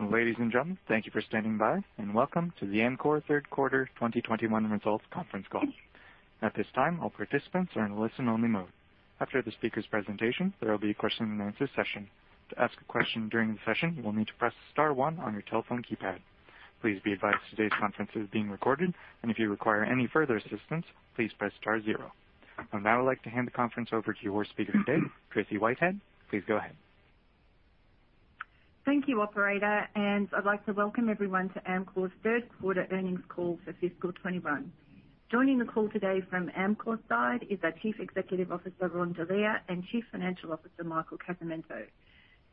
Ladies and gentlemen, thank you for standing by, and welcome to the Amcor Third Quarter 2021 Results Conference Call. I would now like to hand the conference over to our speaker today, Tracey Whitehead. Please go ahead. Thank you, operator. I'd like to welcome everyone to Amcor's third quarter earnings call for fiscal 2021. Joining the call today from Amcor's side is our Chief Executive Officer, Ron Delia, and Chief Financial Officer, Michael Casamento.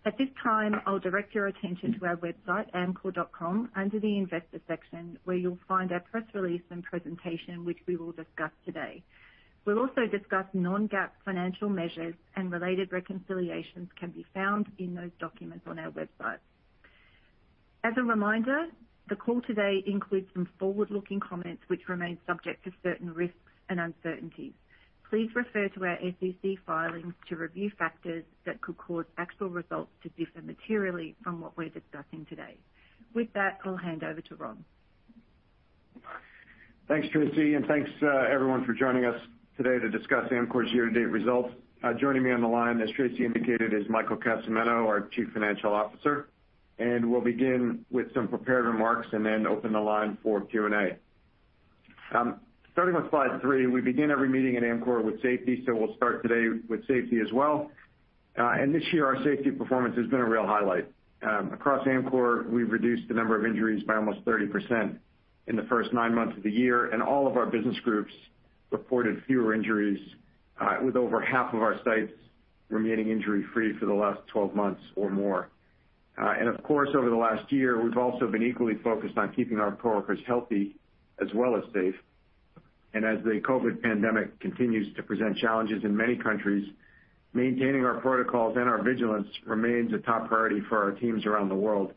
At this time, I'll direct your attention to our website, amcor.com, under the investor section, where you'll find our press release and presentation, which we will discuss today. We'll also discuss non-GAAP financial measures and related reconciliations can be found in those documents on our website. As a reminder, the call today includes some forward-looking comments which remain subject to certain risks and uncertainties. Please refer to our SEC filings to review factors that could cause actual results to differ materially from what we're discussing today. With that, I'll hand over to Ron. Thanks, Tracey, and thanks, everyone, for joining us today to discuss Amcor's year-to-date results. Joining me on the line, as Tracey indicated, is Michael Casamento, our Chief Financial Officer. We'll begin with some prepared remarks and then open the line for Q&A. Starting on slide three, we begin every meeting at Amcor with safety, so we'll start today with safety as well. This year our safety performance has been a real highlight. Across Amcor, we've reduced the number of injuries by almost 30% in the first nine months of the year, and all of our business groups reported fewer injuries, with over half of our sites remaining injury-free for the last 12 months or more. Of course, over the last year, we've also been equally focused on keeping our coworkers healthy as well as safe. As the COVID pandemic continues to present challenges in many countries, maintaining our protocols and our vigilance remains a top priority for our teams around the world,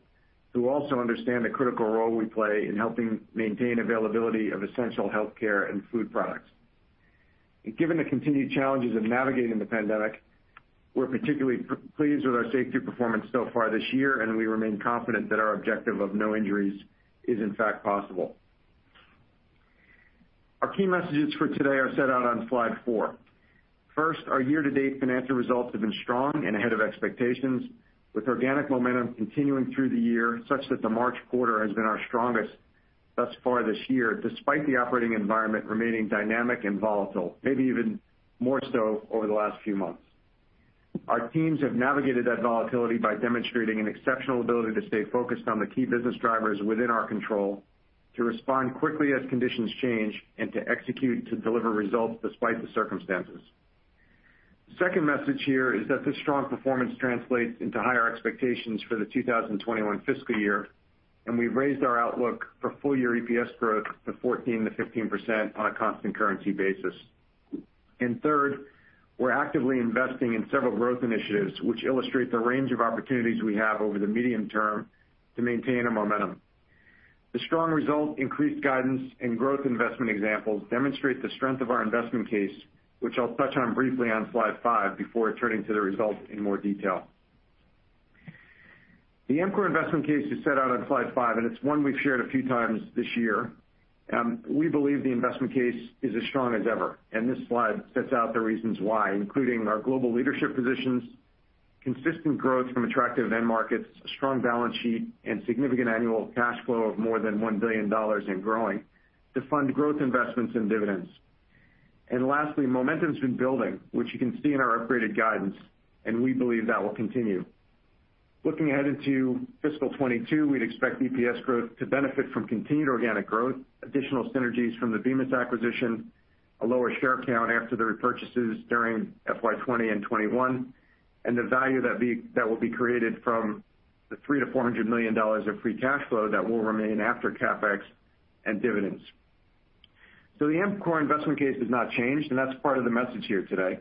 who also understand the critical role we play in helping maintain availability of essential healthcare and food products. Given the continued challenges of navigating the pandemic, we're particularly pleased with our safety performance so far this year, and we remain confident that our objective of no injuries is in fact possible. Our key messages for today are set out on slide four. First, our year-to-date financial results have been strong and ahead of expectations, with organic momentum continuing through the year, such that the March quarter has been our strongest thus far this year, despite the operating environment remaining dynamic and volatile, maybe even more so over the last few months. Our teams have navigated that volatility by demonstrating an exceptional ability to stay focused on the key business drivers within our control, to respond quickly as conditions change, and to execute to deliver results despite the circumstances. The second message here is that this strong performance translates into higher expectations for the 2021 fiscal year, and we've raised our outlook for full-year EPS growth to 14%-15% on a constant currency basis. Third, we're actively investing in several growth initiatives, which illustrate the range of opportunities we have over the medium term to maintain our momentum. The strong results, increased guidance, and growth investment examples demonstrate the strength of our investment case, which I'll touch on briefly on slide five before turning to the results in more detail. The Amcor investment case is set out on slide five, and it's one we've shared a few times this year. We believe the investment case is as strong as ever. This slide sets out the reasons why, including our global leadership positions, consistent growth from attractive end markets, a strong balance sheet, and significant annual cash flow of more than $1 billion and growing to fund growth investments and dividends. Lastly, momentum's been building, which you can see in our upgraded guidance, and we believe that will continue. Looking ahead into fiscal 2022, we'd expect EPS growth to benefit from continued organic growth, additional synergies from the Bemis acquisition, a lower share count after the repurchases during FY 2021, and the value that will be created from the $300 million-$400 million of free cash flow that will remain after CapEx and dividends. The Amcor investment case has not changed, and that's part of the message here today.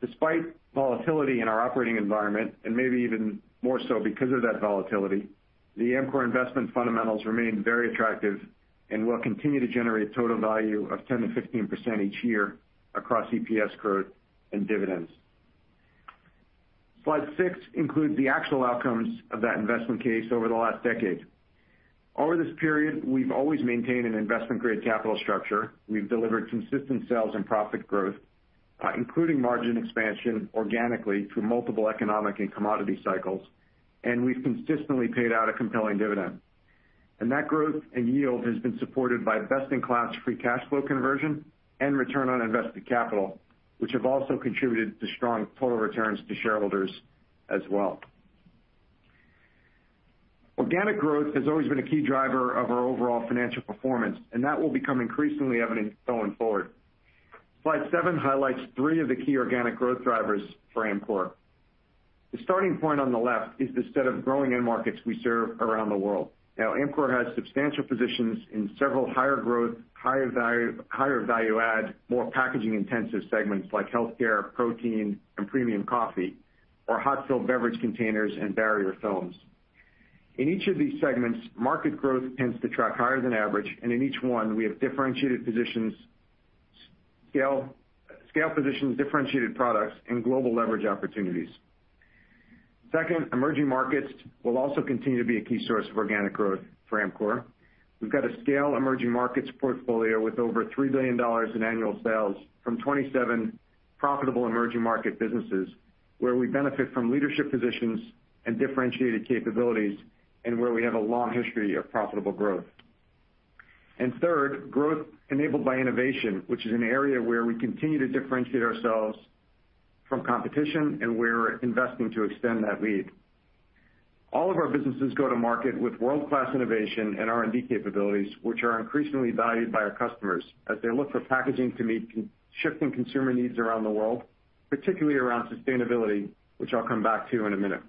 Despite volatility in our operating environment, and maybe even more so because of that volatility, the Amcor investment fundamentals remain very attractive and will continue to generate total value of 10%-15% each year across EPS growth and dividends. Slide six includes the actual outcomes of that investment case over the last decade. Over this period, we've always maintained an investment-grade capital structure. We've delivered consistent sales and profit growth, including margin expansion organically through multiple economic and commodity cycles. We've consistently paid out a compelling dividend. That growth and yield has been supported by best-in-class free cash flow conversion and return on invested capital, which have also contributed to strong total returns to shareholders as well. Organic growth has always been a key driver of our overall financial performance. That will become increasingly evident going forward. Slide seven highlights three of the key organic growth drivers for Amcor. The starting point on the left is the set of growing end markets we serve around the world. Amcor has substantial positions in several higher growth, higher value add, more packaging-intensive segments like healthcare, protein, and premium coffee, or hot-fill beverage containers and barrier films. In each of these segments, market growth tends to track higher than average, and in each one, we have differentiated positions, scale positions, differentiated products, and global leverage opportunities. Second, emerging markets will also continue to be a key source of organic growth for Amcor. We've got a scale emerging markets portfolio with over $3 billion in annual sales from 27 profitable emerging market businesses, where we benefit from leadership positions and differentiated capabilities, and where we have a long history of profitable growth. Third, growth enabled by innovation, which is an area where we continue to differentiate ourselves from competition, and we're investing to extend that lead. All of our businesses go to market with world-class innovation and R&D capabilities, which are increasingly valued by our customers as they look for packaging to meet shifting consumer needs around the world, particularly around sustainability, which I'll come back to in a minute.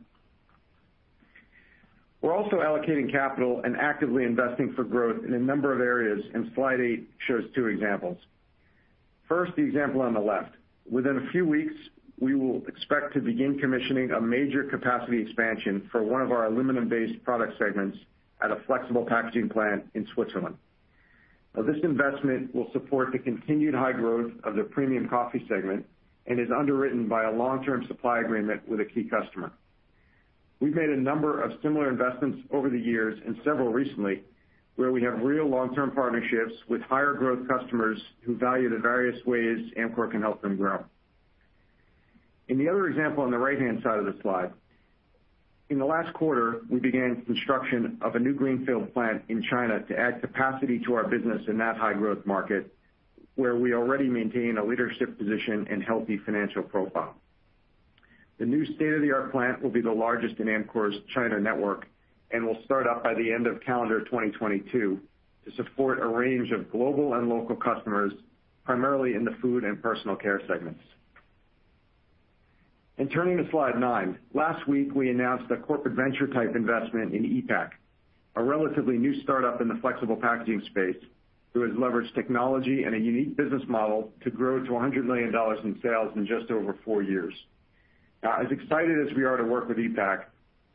We're also allocating capital and actively investing for growth in a number of areas, slide eight shows two examples. First, the example on the left. Within a few weeks, we will expect to begin commissioning a major capacity expansion for one of our aluminum-based product segments at a flexible packaging plant in Switzerland. Now, this investment will support the continued high growth of the premium coffee segment and is underwritten by a long-term supply agreement with a key customer. We've made a number of similar investments over the years, and several recently, where we have real long-term partnerships with higher growth customers who value the various ways Amcor can help them grow. In the other example on the right-hand side of the slide, in the last quarter, we began construction of a new greenfield plant in China to add capacity to our business in that high-growth market, where we already maintain a leadership position and healthy financial profile. The new state-of-the-art plant will be the largest in Amcor's China network and will start up by the end of calendar 2022 to support a range of global and local customers, primarily in the food and personal care segments. Turning to slide nine. Last week, we announced a corporate venture-type investment in ePac, a relatively new startup in the flexible packaging space who has leveraged technology and a unique business model to grow to $100 million in sales in just over 4 years. Now, as excited as we are to work with ePac,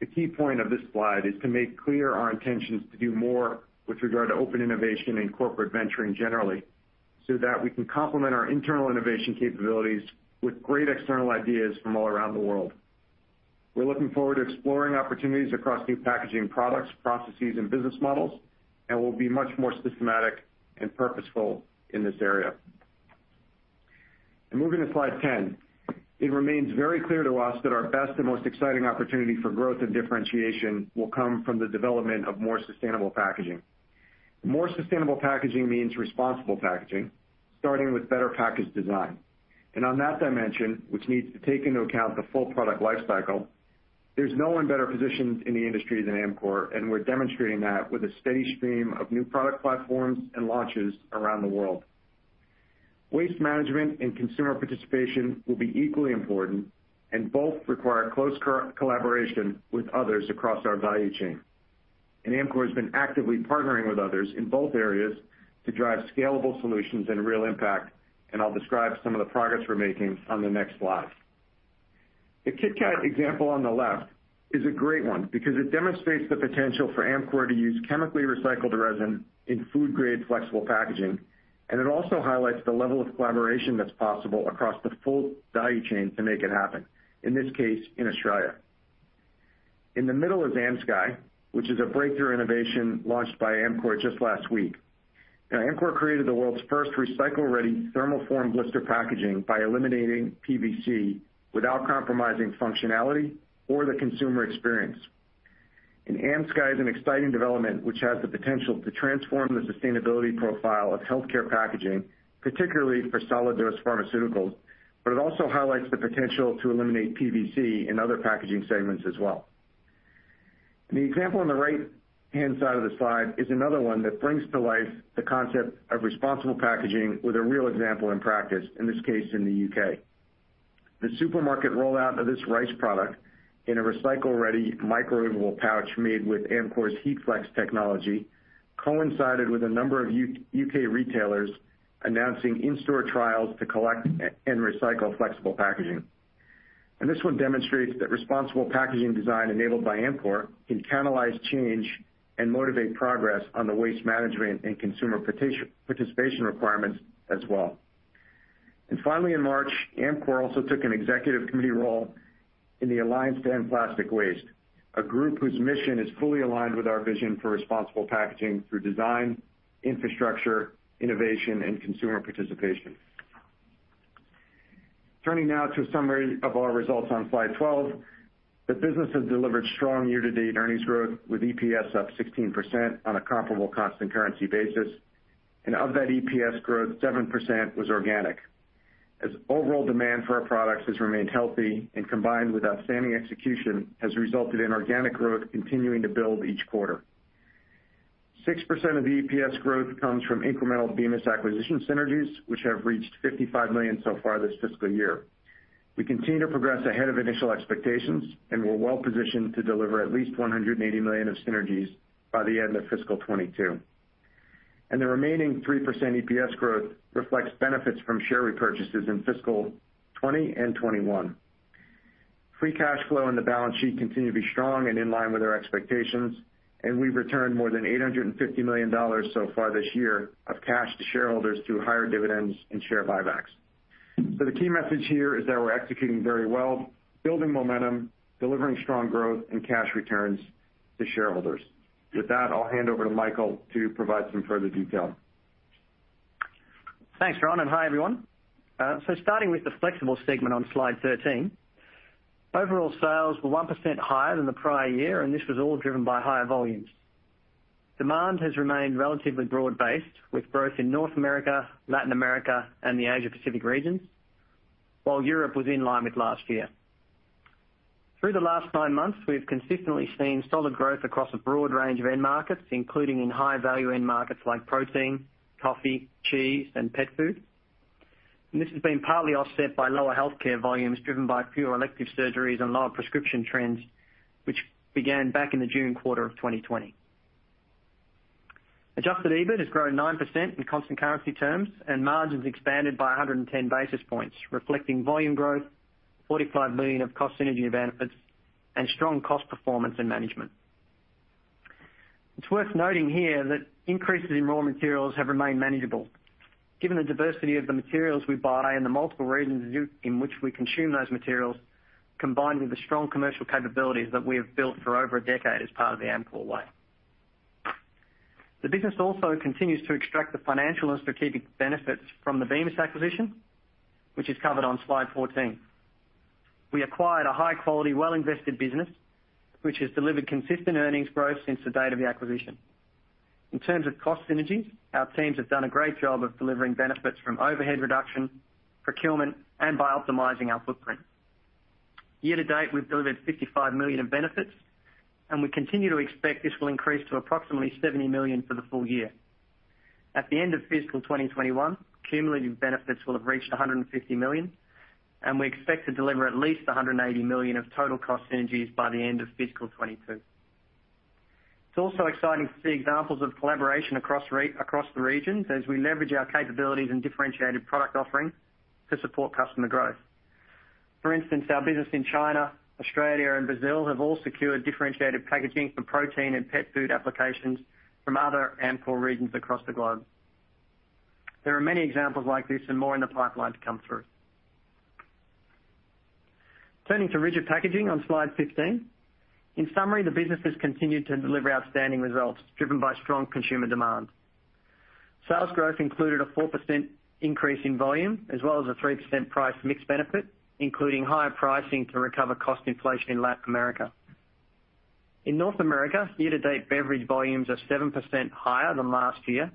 the key point of this slide is to make clear our intentions to do more with regard to open innovation and corporate venturing generally so that we can complement our internal innovation capabilities with great external ideas from all around the world. We're looking forward to exploring opportunities across new packaging products, processes, and business models, We'll be much more systematic and purposeful in this area. Moving to slide 10. It remains very clear to us that our best and most exciting opportunity for growth and differentiation will come from the development of more sustainable packaging. More sustainable packaging means responsible packaging, starting with better package design. On that dimension, which needs to take into account the full product life cycle, there's no one better positioned in the industry than Amcor, and we're demonstrating that with a steady stream of new product platforms and launches around the world. Waste management and consumer participation will be equally important and both require close collaboration with others across our value chain. Amcor has been actively partnering with others in both areas to drive scalable solutions and real impact, and I'll describe some of the progress we're making on the next slide. The Kit Kat example on the left is a great one because it demonstrates the potential for Amcor to use chemically recycled resin in food-grade flexible packaging. It also highlights the level of collaboration that's possible across the full value chain to make it happen, in this case, in Australia. In the middle is AmSky, which is a breakthrough innovation launched by Amcor just last week. Amcor created the world's first recycle-ready thermoform blister packaging by eliminating PVC without compromising functionality or the consumer experience. AmSky is an exciting development which has the potential to transform the sustainability profile of healthcare packaging, particularly for solid dose pharmaceuticals. It also highlights the potential to eliminate PVC in other packaging segments as well. The example on the right-hand side of the slide is another one that brings to life the concept of responsible packaging with a real example in practice, in this case in the U.K. The supermarket rollout of this rice product in a recycle-ready microwavable pouch made with Amcor's HeatFlex technology coincided with a number of U.K. retailers announcing in-store trials to collect and recycle flexible packaging. This one demonstrates that responsible packaging design enabled by Amcor can catalyze change and motivate progress on the waste management and consumer participation requirements as well. Finally, in March, Amcor also took an executive committee role in the Alliance to End Plastic Waste, a group whose mission is fully aligned with our vision for responsible packaging through design, infrastructure, innovation, and consumer participation. Turning now to a summary of our results on slide 12. The business has delivered strong year-to-date earnings growth, with EPS up 16% on a comparable constant currency basis. Of that EPS growth, 7% was organic, as overall demand for our products has remained healthy and, combined with outstanding execution, has resulted in organic growth continuing to build each quarter. 6% of the EPS growth comes from incremental Bemis acquisition synergies, which have reached $55 million so far this fiscal year. We continue to progress ahead of initial expectations, and we're well-positioned to deliver at least $180 million of synergies by the end of fiscal 2022. The remaining 3% EPS growth reflects benefits from share repurchases in fiscal 2020 and 2021. Free cash flow and the balance sheet continue to be strong and in line with our expectations, and we've returned more than $850 million so far this year of cash to shareholders through higher dividends and share buybacks. The key message here is that we're executing very well, building momentum, delivering strong growth and cash returns to shareholders. With that, I'll hand over to Michael to provide some further detail. Thanks, Ron, and hi, everyone. Starting with the Flexible segment on slide 13. Overall sales were 1% higher than the prior year, and this was all driven by higher volumes. Demand has remained relatively broad-based, with growth in North America, Latin America, and the Asia Pacific regions, while Europe was in line with last year. Through the last nine months, we've consistently seen solid growth across a broad range of end markets, including in high-value end markets like protein, coffee, cheese, and pet food. This has been partly offset by lower healthcare volumes driven by fewer elective surgeries and lower prescription trends, which began back in the June quarter of 2020. Adjusted EBIT has grown 9% in constant currency terms and margins expanded by 110 basis points, reflecting volume growth, $45 million of cost synergy benefits, and strong cost performance and management. It's worth noting here that increases in raw materials have remained manageable given the diversity of the materials we buy and the multiple regions in which we consume those materials, combined with the strong commercial capabilities that we have built for over a decade as part of the Amcor Way. The business also continues to extract the financial and strategic benefits from the Bemis acquisition, which is covered on slide 14. We acquired a high-quality, well-invested business, which has delivered consistent earnings growth since the date of the acquisition. In terms of cost synergies, our teams have done a great job of delivering benefits from overhead reduction, procurement, and by optimizing our footprint. Year to date, we've delivered $55 million of benefits, and we continue to expect this will increase to approximately $70 million for the full year. At the end of fiscal 2021, cumulative benefits will have reached $150 million, and we expect to deliver at least $180 million of total cost synergies by the end of fiscal 2022. It's also exciting to see examples of collaboration across the regions as we leverage our capabilities and differentiated product offerings to support customer growth. For instance, our business in China, Australia, and Brazil have all secured differentiated packaging for protein and pet food applications from other Amcor regions across the globe. There are many examples like this and more in the pipeline to come through. Turning to Rigid Packaging on slide 15. In summary, the business has continued to deliver outstanding results driven by strong consumer demand. Sales growth included a 4% increase in volume as well as a 3% price mix benefit, including higher pricing to recover cost inflation in Latin America. In North America, year-to-date beverage volumes are 7% higher than last year,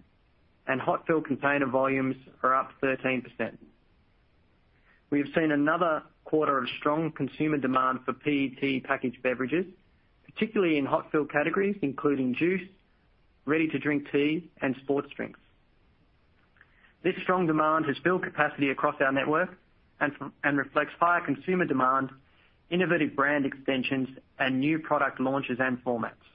and hot fill container volumes are up 13%. We have seen another quarter of strong consumer demand for PET packaged beverages, particularly in hot fill categories including juice, ready-to-drink tea, and sports drinks. This strong demand has filled capacity across our network and reflects higher consumer demand, innovative brand extensions, and new product launches and formats.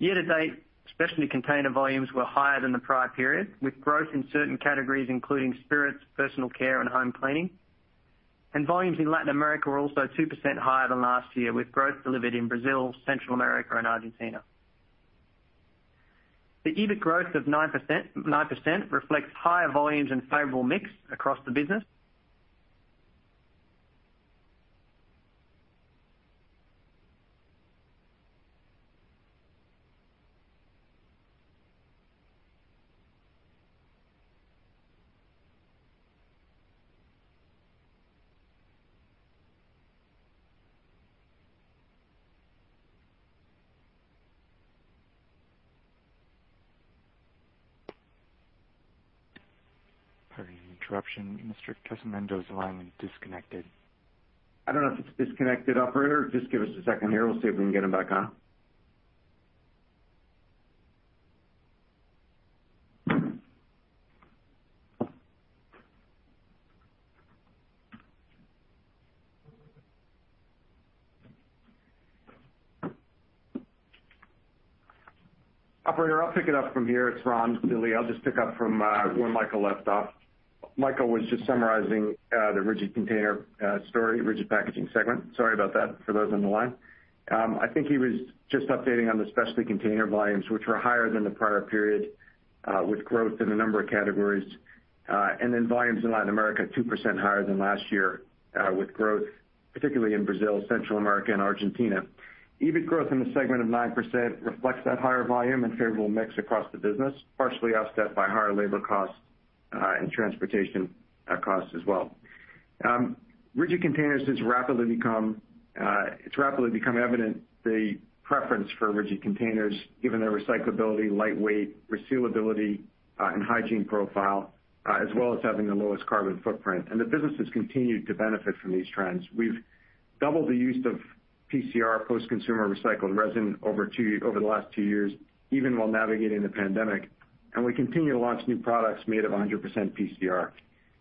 Year-to-date, specialty container volumes were higher than the prior period, with growth in certain categories including spirits, personal care, and home cleaning. Volumes in Latin America were also 2% higher than last year, with growth delivered in Brazil, Central America, and Argentina. The EBIT growth of 9% reflects higher volumes and favorable mix across the business. Pardon the interruption. Mr. Casamento's line is disconnected. I don't know if it's disconnected, operator. Just give us a second here. We'll see if we can get him back on. Operator, I'll pick it up from here. It's Ron Delia. I'll just pick up from where Michael left off. Michael was just summarizing the Rigid Container story, Rigid Packaging segment. Sorry about that for those on the line. I think he was just updating on the specialty container volumes, which were higher than the prior period, with growth in a number of categories. Volumes in Latin America 2% higher than last year, with growth particularly in Brazil, Central America and Argentina. EBIT growth in the segment of 9% reflects that higher volume and favorable mix across the business, partially offset by higher labor costs and transportation costs as well. Rigid containers, it's rapidly become evident, the preference for rigid containers, given their recyclability, light weight, resealability, and hygiene profile, as well as having the lowest carbon footprint. The business has continued to benefit from these trends. We've doubled the use of PCR, post-consumer recycled resin, over the last two years, even while navigating the pandemic. We continue to launch new products made of 100% PCR.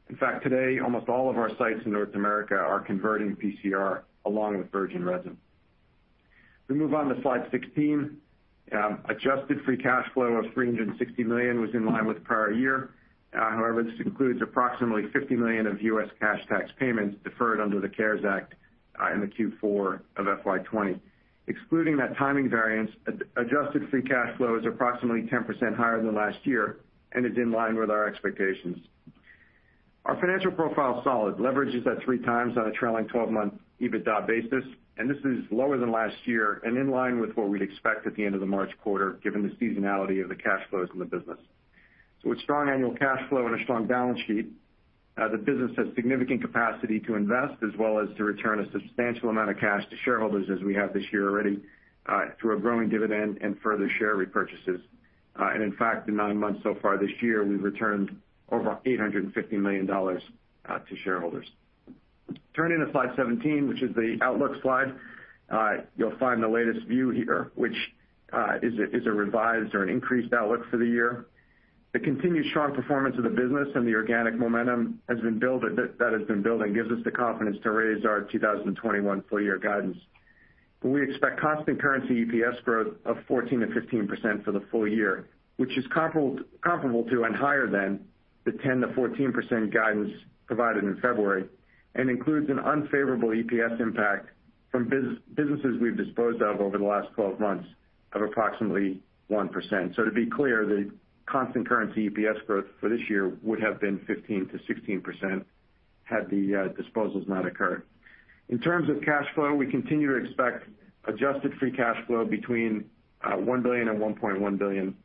In fact, today, almost all of our sites in North America are converting PCR along with virgin resin. We move on to slide 16. Adjusted free cash flow of $360 million was in line with prior year. However, this includes approximately $50 million of U.S. cash tax payments deferred under the CARES Act in the Q4 of FY 2020. Excluding that timing variance, adjusted free cash flow is approximately 10% higher than last year and is in line with our expectations. Our financial profile is solid. Leverage is at three times on a trailing 12-month EBITDA basis. This is lower than last year and in line with what we'd expect at the end of the March quarter, given the seasonality of the cash flows in the business. With strong annual cash flow and a strong balance sheet, the business has significant capacity to invest as well as to return a substantial amount of cash to shareholders as we have this year already, through a growing dividend and further share repurchases. In fact, in nine months so far this year, we've returned over $850 million to shareholders. Turning to slide 17, which is the outlook slide. You'll find the latest view here, which is a revised or an increased outlook for the year. The continued strong performance of the business and the organic momentum that has been building gives us the confidence to raise our 2021 full-year guidance. We expect constant currency EPS growth of 14%-15% for the full year, which is comparable to and higher than the 10%-14% guidance provided in February and includes an unfavorable EPS impact from businesses we've disposed of over the last 12 months of approximately 1%. To be clear, the constant currency EPS growth for this year would have been 15%-16% had the disposals not occurred. In terms of cash flow, we continue to expect adjusted free cash flow between $1 billion-$1.1 billion.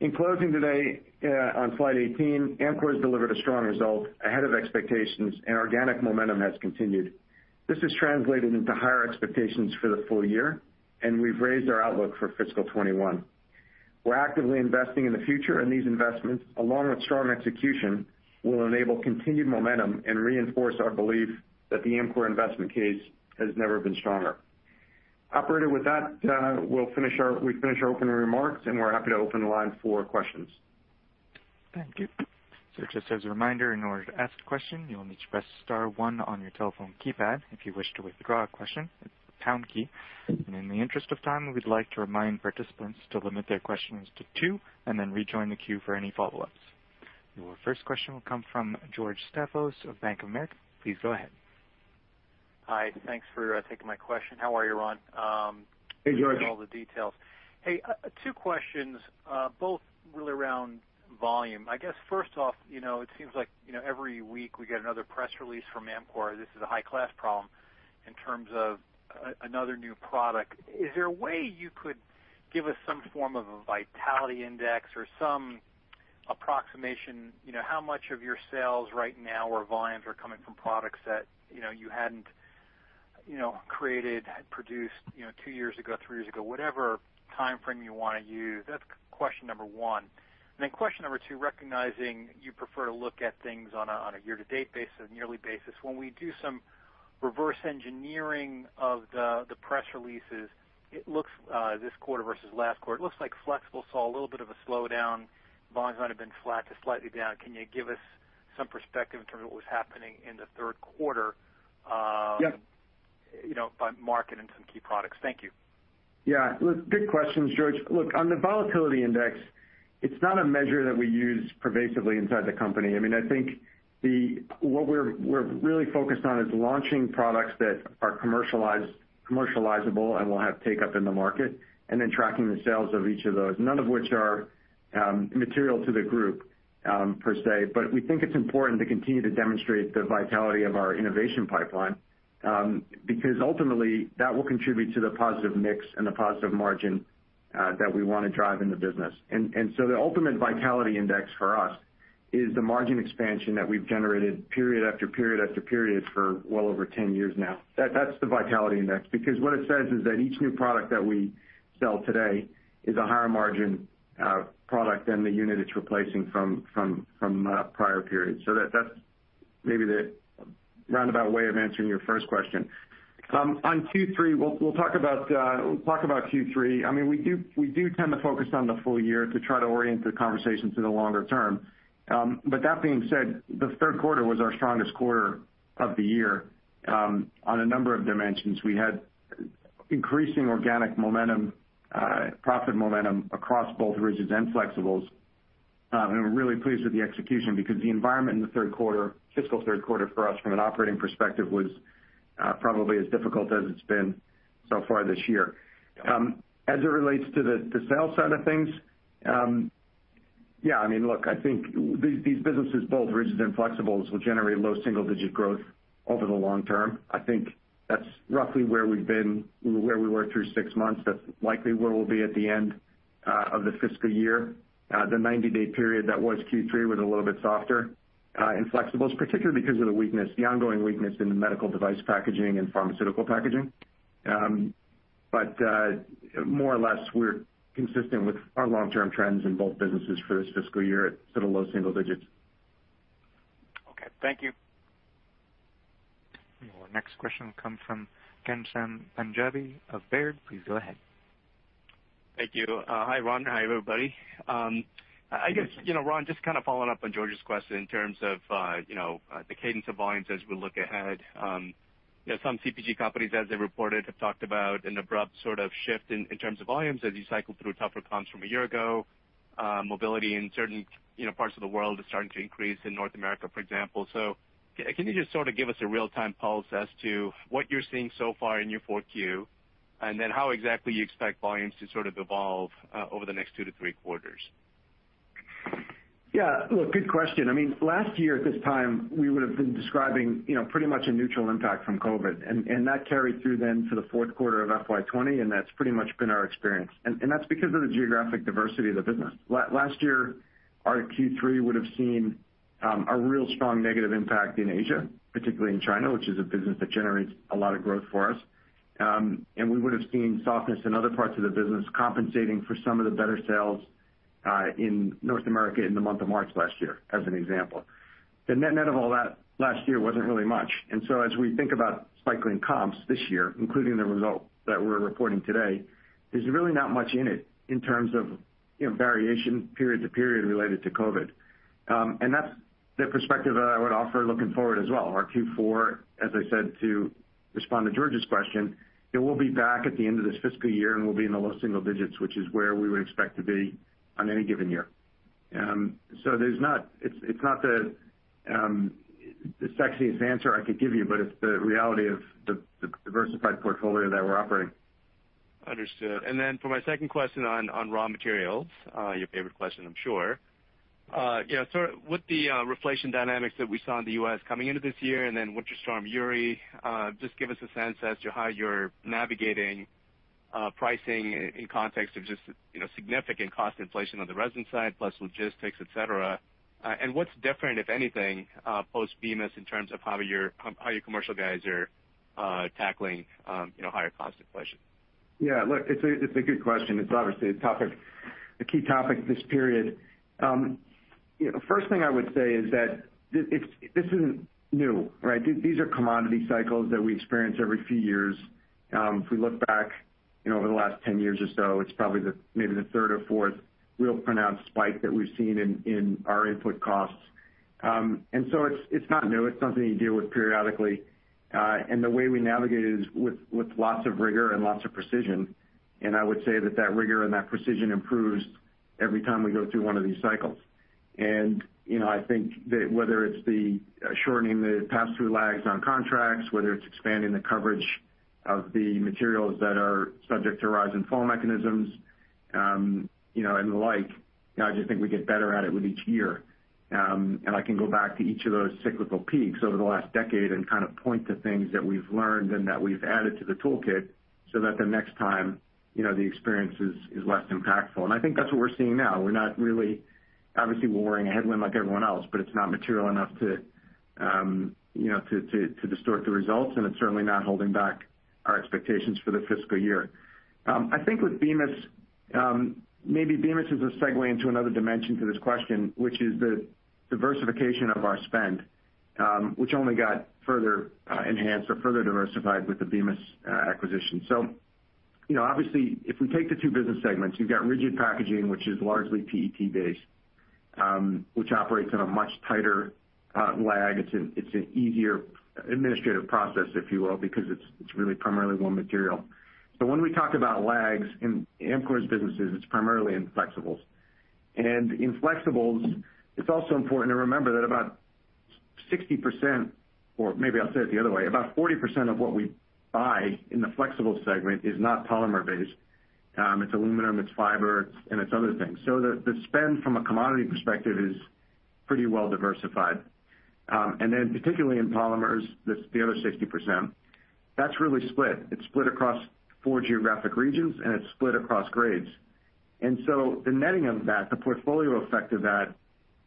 In closing today, on slide 18, Amcor has delivered a strong result ahead of expectations, and organic momentum has continued. This has translated into higher expectations for the full year, and we've raised our outlook for fiscal 2021. We're actively investing in the future, and these investments, along with strong execution, will enable continued momentum and reinforce our belief that the Amcor investment case has never been stronger. Operator, with that, we've finished our opening remarks, and we're happy to open the line for questions. Thank you. Just as a reminder, in order to ask a question, you will need to press star one on your telephone keypad. If you wish to withdraw a question, it's the pound key. In the interest of time, we'd like to remind participants to limit their questions to two and then rejoin the queue for any follow-ups. Your first question will come from George Staphos of Bank of America. Please go ahead. Hi. Thanks for taking my question. How are you, Ron? Hey, George. Appreciate all the details. Hey, two questions, both really around volume. I guess first off, it seems like every week we get another press release from Amcor. This is a high-class problem in terms of another new product. Is there a way you could give us some form of a vitality index or some approximation, how much of your sales right now or volumes are coming from products that you hadn't created, produced 2 years ago, 3 years ago, whatever timeframe you want to use? That's question number one. Then question number two, recognizing you prefer to look at things on a year to date basis, a yearly basis. When we do some reverse engineering of the press releases, this quarter versus last quarter, it looks like Flexibles saw a little bit of a slowdown. Volumes might have been flat to slightly down. Can you give us some perspective in terms of what was happening in the third quarter? Yeah by market and some key products? Thank you. Yeah. Look, good questions, George. Look, on the vitality index, it's not a measure that we use pervasively inside the company. I think what we're really focused on is launching products that are commercializable and will have take-up in the market, and then tracking the sales of each of those, none of which are material to the group per se. We think it's important to continue to demonstrate the vitality of our innovation pipeline, because ultimately that will contribute to the positive mix and the positive margin that we want to drive in the business. The ultimate vitality index for us is the margin expansion that we've generated period after period after period for well over 10 years now. That's the vitality index, because what it says is that each new product that we sell today is a higher margin product than the unit it's replacing from prior periods. That's maybe the roundabout way of answering your first question. On Q3, we'll talk about Q3. We do tend to focus on the full year to try to orient the conversation to the longer term. That being said, the third quarter was our strongest quarter of the year on a number of dimensions. We had increasing organic momentum, profit momentum across both Rigid and Flexibles. We're really pleased with the execution because the environment in the fiscal third quarter for us from an operating perspective was probably as difficult as it's been so far this year. As it relates to the sales side of things, yeah, look, I think these businesses, both Rigid and Flexibles, will generate low single-digit growth over the long term. I think that's roughly where we've been, where we were through six months. That's likely where we'll be at the end of the fiscal year. The 90-day period that was Q3 was a little bit softer in Flexibles, particularly because of the ongoing weakness in the medical device packaging and pharmaceutical packaging. More or less, we're consistent with our long-term trends in both businesses for this fiscal year at sort of low single digits. Okay. Thank you. Your next question will come from Ghansham Panjabi of Baird. Please go ahead. Thank you. Hi, Ron. Hi, everybody. Ron, just kind of following up on George's question in terms of the cadence of volumes as we look ahead. Some CPG companies, as they reported, have talked about an abrupt sort of shift in terms of volumes as you cycle through tougher comps from a year ago. Mobility in certain parts of the world is starting to increase, in North America, for example. Can you just sort of give us a real-time pulse as to what you're seeing so far in your 4Q, and then how exactly you expect volumes to sort of evolve over the next two to three quarters? Yeah. Look, good question. Last year at this time, we would've been describing pretty much a neutral impact from COVID, and that carried through then to the fourth quarter of FY 2020, and that's pretty much been our experience. That's because of the geographic diversity of the business. Last year, our Q3 would've seen a real strong negative impact in Asia, particularly in China, which is a business that generates a lot of growth for us. We would've seen softness in other parts of the business compensating for some of the better sales in North America in the month of March last year, as an example. The net of all that last year wasn't really much. As we think about cycling comps this year, including the result that we're reporting today, there's really not much in it in terms of variation period to period related to COVID. That's the perspective that I would offer looking forward as well. Our Q4, as I said, to respond to George's question, it will be back at the end of this fiscal year, and we'll be in the low single digits, which is where we would expect to be on any given year. It's not the sexiest answer I could give you, but it's the reality of the diversified portfolio that we're operating. Understood. For my second question on raw materials, your favorite question, I'm sure. With the reflation dynamics that we saw in the U.S. coming into this year and then Winter Storm Uri, just give us a sense as to how you're navigating pricing in context of just significant cost inflation on the resin side, plus logistics, et cetera. What's different, if anything, post Bemis in terms of how your commercial guys are tackling higher cost inflation? Look, it's a good question. It's obviously a key topic this period. First thing I would say is that this isn't new, right? These are commodity cycles that we experience every few years. If we look back over the last 10 years or so, it's probably maybe the third or fourth real pronounced spike that we've seen in our input costs. It's not new. It's something you deal with periodically. The way we navigate it is with lots of rigor and lots of precision, and I would say that that rigor and that precision improves every time we go through one of these cycles. I think that whether it's the shortening the pass-through lags on contracts, whether it's expanding the coverage of the materials that are subject to rise and fall mechanisms, and the like, I just think we get better at it with each year. I can go back to each of those cyclical peaks over the last decade and kind of point to things that we've learned and that we've added to the toolkit so that the next time, the experience is less impactful. I think that's what we're seeing now. Obviously, we're warring a headwind like everyone else, but it's not material enough to distort the results, and it's certainly not holding back our expectations for the fiscal year. I think with Bemis, maybe Bemis is a segue into another dimension to this question, which is the diversification of our spend, which only got further enhanced or further diversified with the Bemis acquisition. Obviously, if we take the two business segments, you've got rigid packaging, which is largely PET-based, which operates on a much tighter lag. It's an easier administrative process, if you will, because it's really primarily one material. When we talk about lags in Amcor's businesses, it's primarily in flexibles. In flexibles, it's also important to remember that about 60%, or maybe I'll say it the other way, about 40% of what we buy in the flexible segment is not polymer-based. It's aluminum, it's fiber, and it's other things. The spend from a commodity perspective is pretty well diversified. Then particularly in polymers, the other 60%, that's really split. It's split across four geographic regions, and it's split across grades. The netting of that, the portfolio effect of that,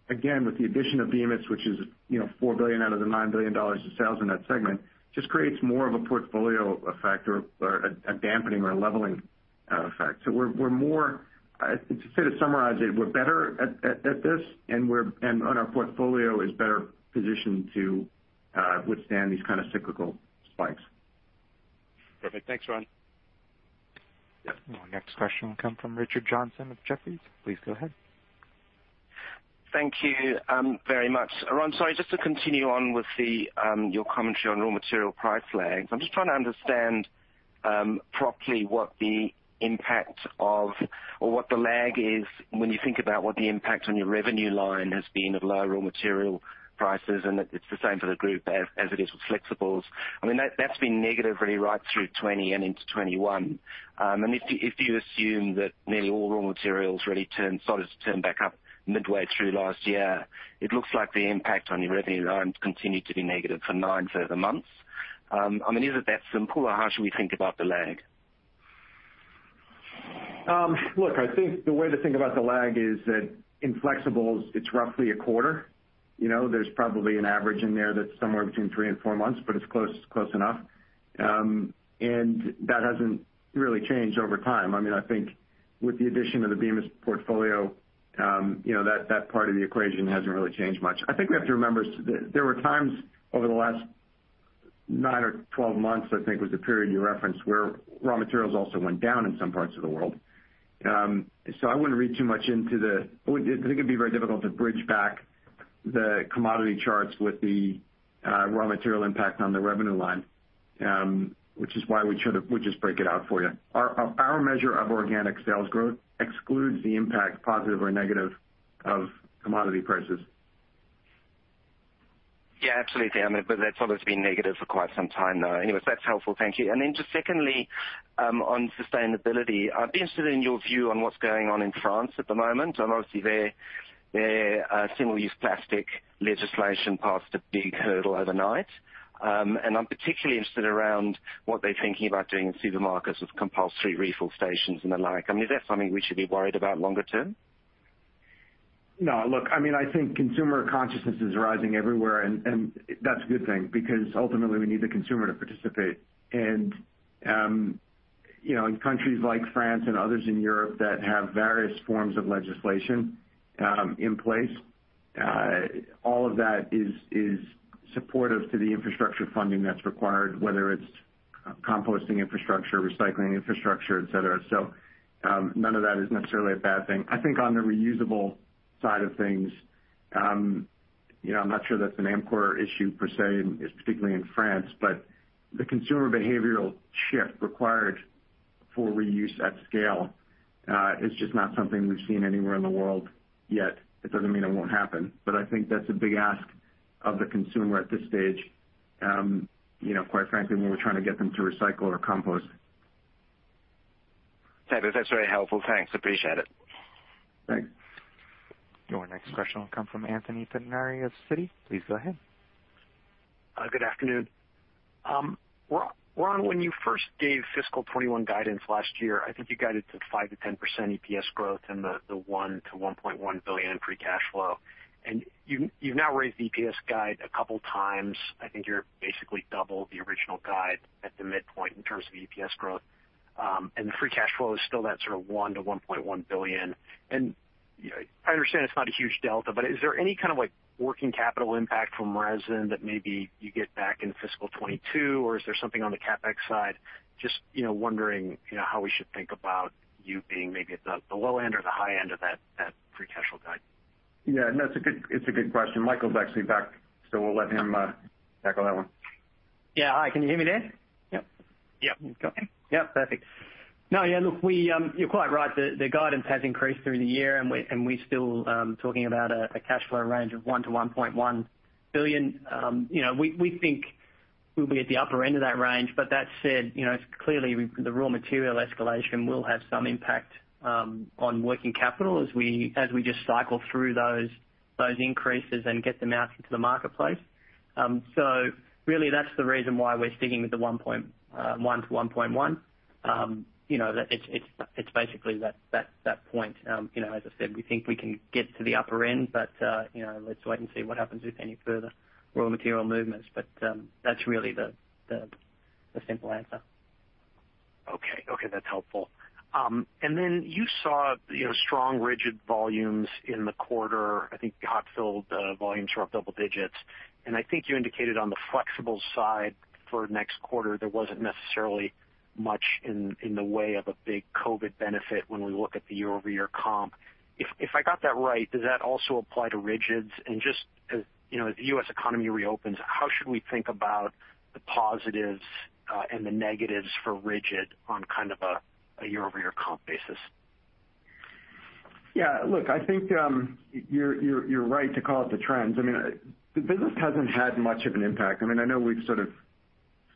again, with the addition of Bemis, which is $4 billion out of the $9 billion of sales in that segment, just creates more of a portfolio effect or a dampening or a leveling effect. To sort of summarize it, we're better at this, and our portfolio is better positioned to withstand these kind of cyclical spikes. Perfect. Thanks, Ron. Our next question will come from Richard Johnson of Jefferies. Please go ahead. Thank you very much. Ron, sorry, just to continue on with your commentary on raw material price lags. I'm just trying to understand properly what the impact of, or what the lag is when you think about what the impact on your revenue line has been of lower raw material prices, and it's the same for the group as it is with flexibles. That's been negative really right through 2020 and into 2021. If you assume that nearly all raw materials really started to turn back up midway through last year, it looks like the impact on your revenue lines continued to be negative for nine further months. Is it that simple, or how should we think about the lag? Look, I think the way to think about the lag is that in flexibles, it's roughly a quarter. There's probably an average in there that's somewhere between three and four months, but it's close enough. That hasn't really changed over time. I think with the addition of the Bemis portfolio, that part of the equation hasn't really changed much. I think we have to remember, there were times over the last 9 or 12 months, I think, was the period you referenced where raw materials also went down in some parts of the world. I wouldn't read too much into the I think it'd be very difficult to bridge back the commodity charts with the raw material impact on the revenue line, which is why we just break it out for you. Our measure of organic sales growth excludes the impact, positive or negative, of commodity prices. Yeah, absolutely. That's always been negative for quite some time, though. Anyways, that's helpful. Thank you. Then just secondly, on sustainability, I'd be interested in your view on what's going on in France at the moment. Obviously, their single-use plastic legislation passed a big hurdle overnight. I'm particularly interested around what they're thinking about doing in supermarkets with compulsory refill stations and the like. Is that something we should be worried about longer term? No. Look, I think consumer consciousness is rising everywhere, and that's a good thing, because ultimately we need the consumer to participate. In countries like France and others in Europe that have various forms of legislation in place, all of that is supportive to the infrastructure funding that's required, whether it's composting infrastructure, recycling infrastructure, et cetera. None of that is necessarily a bad thing. I think on the reusable side of things, I'm not sure that's an Amcor issue, per se, particularly in France. The consumer behavioral shift required for reuse at scale is just not something we've seen anywhere in the world yet. It doesn't mean it won't happen, but I think that's a big ask of the consumer at this stage, quite frankly, when we're trying to get them to recycle or compost. That's very helpful. Thanks, appreciate it. Thanks. Your next question will come from Anthony Pettinari of Citi. Please go ahead. Good afternoon. Ron, when you first gave fiscal 2021 guidance last year, I think you guided to 5%-10% EPS growth and the $1 billion-$1.1 billion free cash flow. You've now raised the EPS guide a couple of times. I think you're basically double the original guide at the midpoint in terms of EPS growth. The free cash flow is still that sort of $1 billion-$1.1 billion. I understand it's not a huge delta, but is there any kind of working capital impact from resin that maybe you get back in fiscal 2022? Is there something on the CapEx side? Just wondering how we should think about you being maybe at the low end or the high end of that free cash flow guide. Yeah, no, it's a good question. Michael's actually back, so we'll let him tackle that one. Yeah. Hi, can you hear me, Ron? Yep. Yep. Okay. Yep, perfect. No, yeah, look, you're quite right. The guidance has increased through the year, and we're still talking about a cash flow range of $1 billion-$1.1 billion. We think we'll be at the upper end of that range. That said, clearly, the raw material escalation will have some impact on working capital as we just cycle through those increases and get them out into the marketplace. Really, that's the reason why we're sticking with the $1 billion-$1.1 billion. It's basically that point. As I said, we think we can get to the upper end, but let's wait and see what happens with any further raw material movements. That's really the simple answer. Okay. That's helpful. Then you saw strong rigid volumes in the quarter. I think hot-filled volumes were up double digits. I think you indicated on the flexible side for next quarter, there wasn't necessarily much in the way of a big COVID benefit when we look at the year-over-year comp. If I got that right, does that also apply to rigids? Just as the U.S. economy reopens, how should we think about the positives and the negatives for rigid on kind of a year-over-year comp basis? Yeah. Look, I think you're right to call out the trends. The business hasn't had much of an impact. I know we've sort of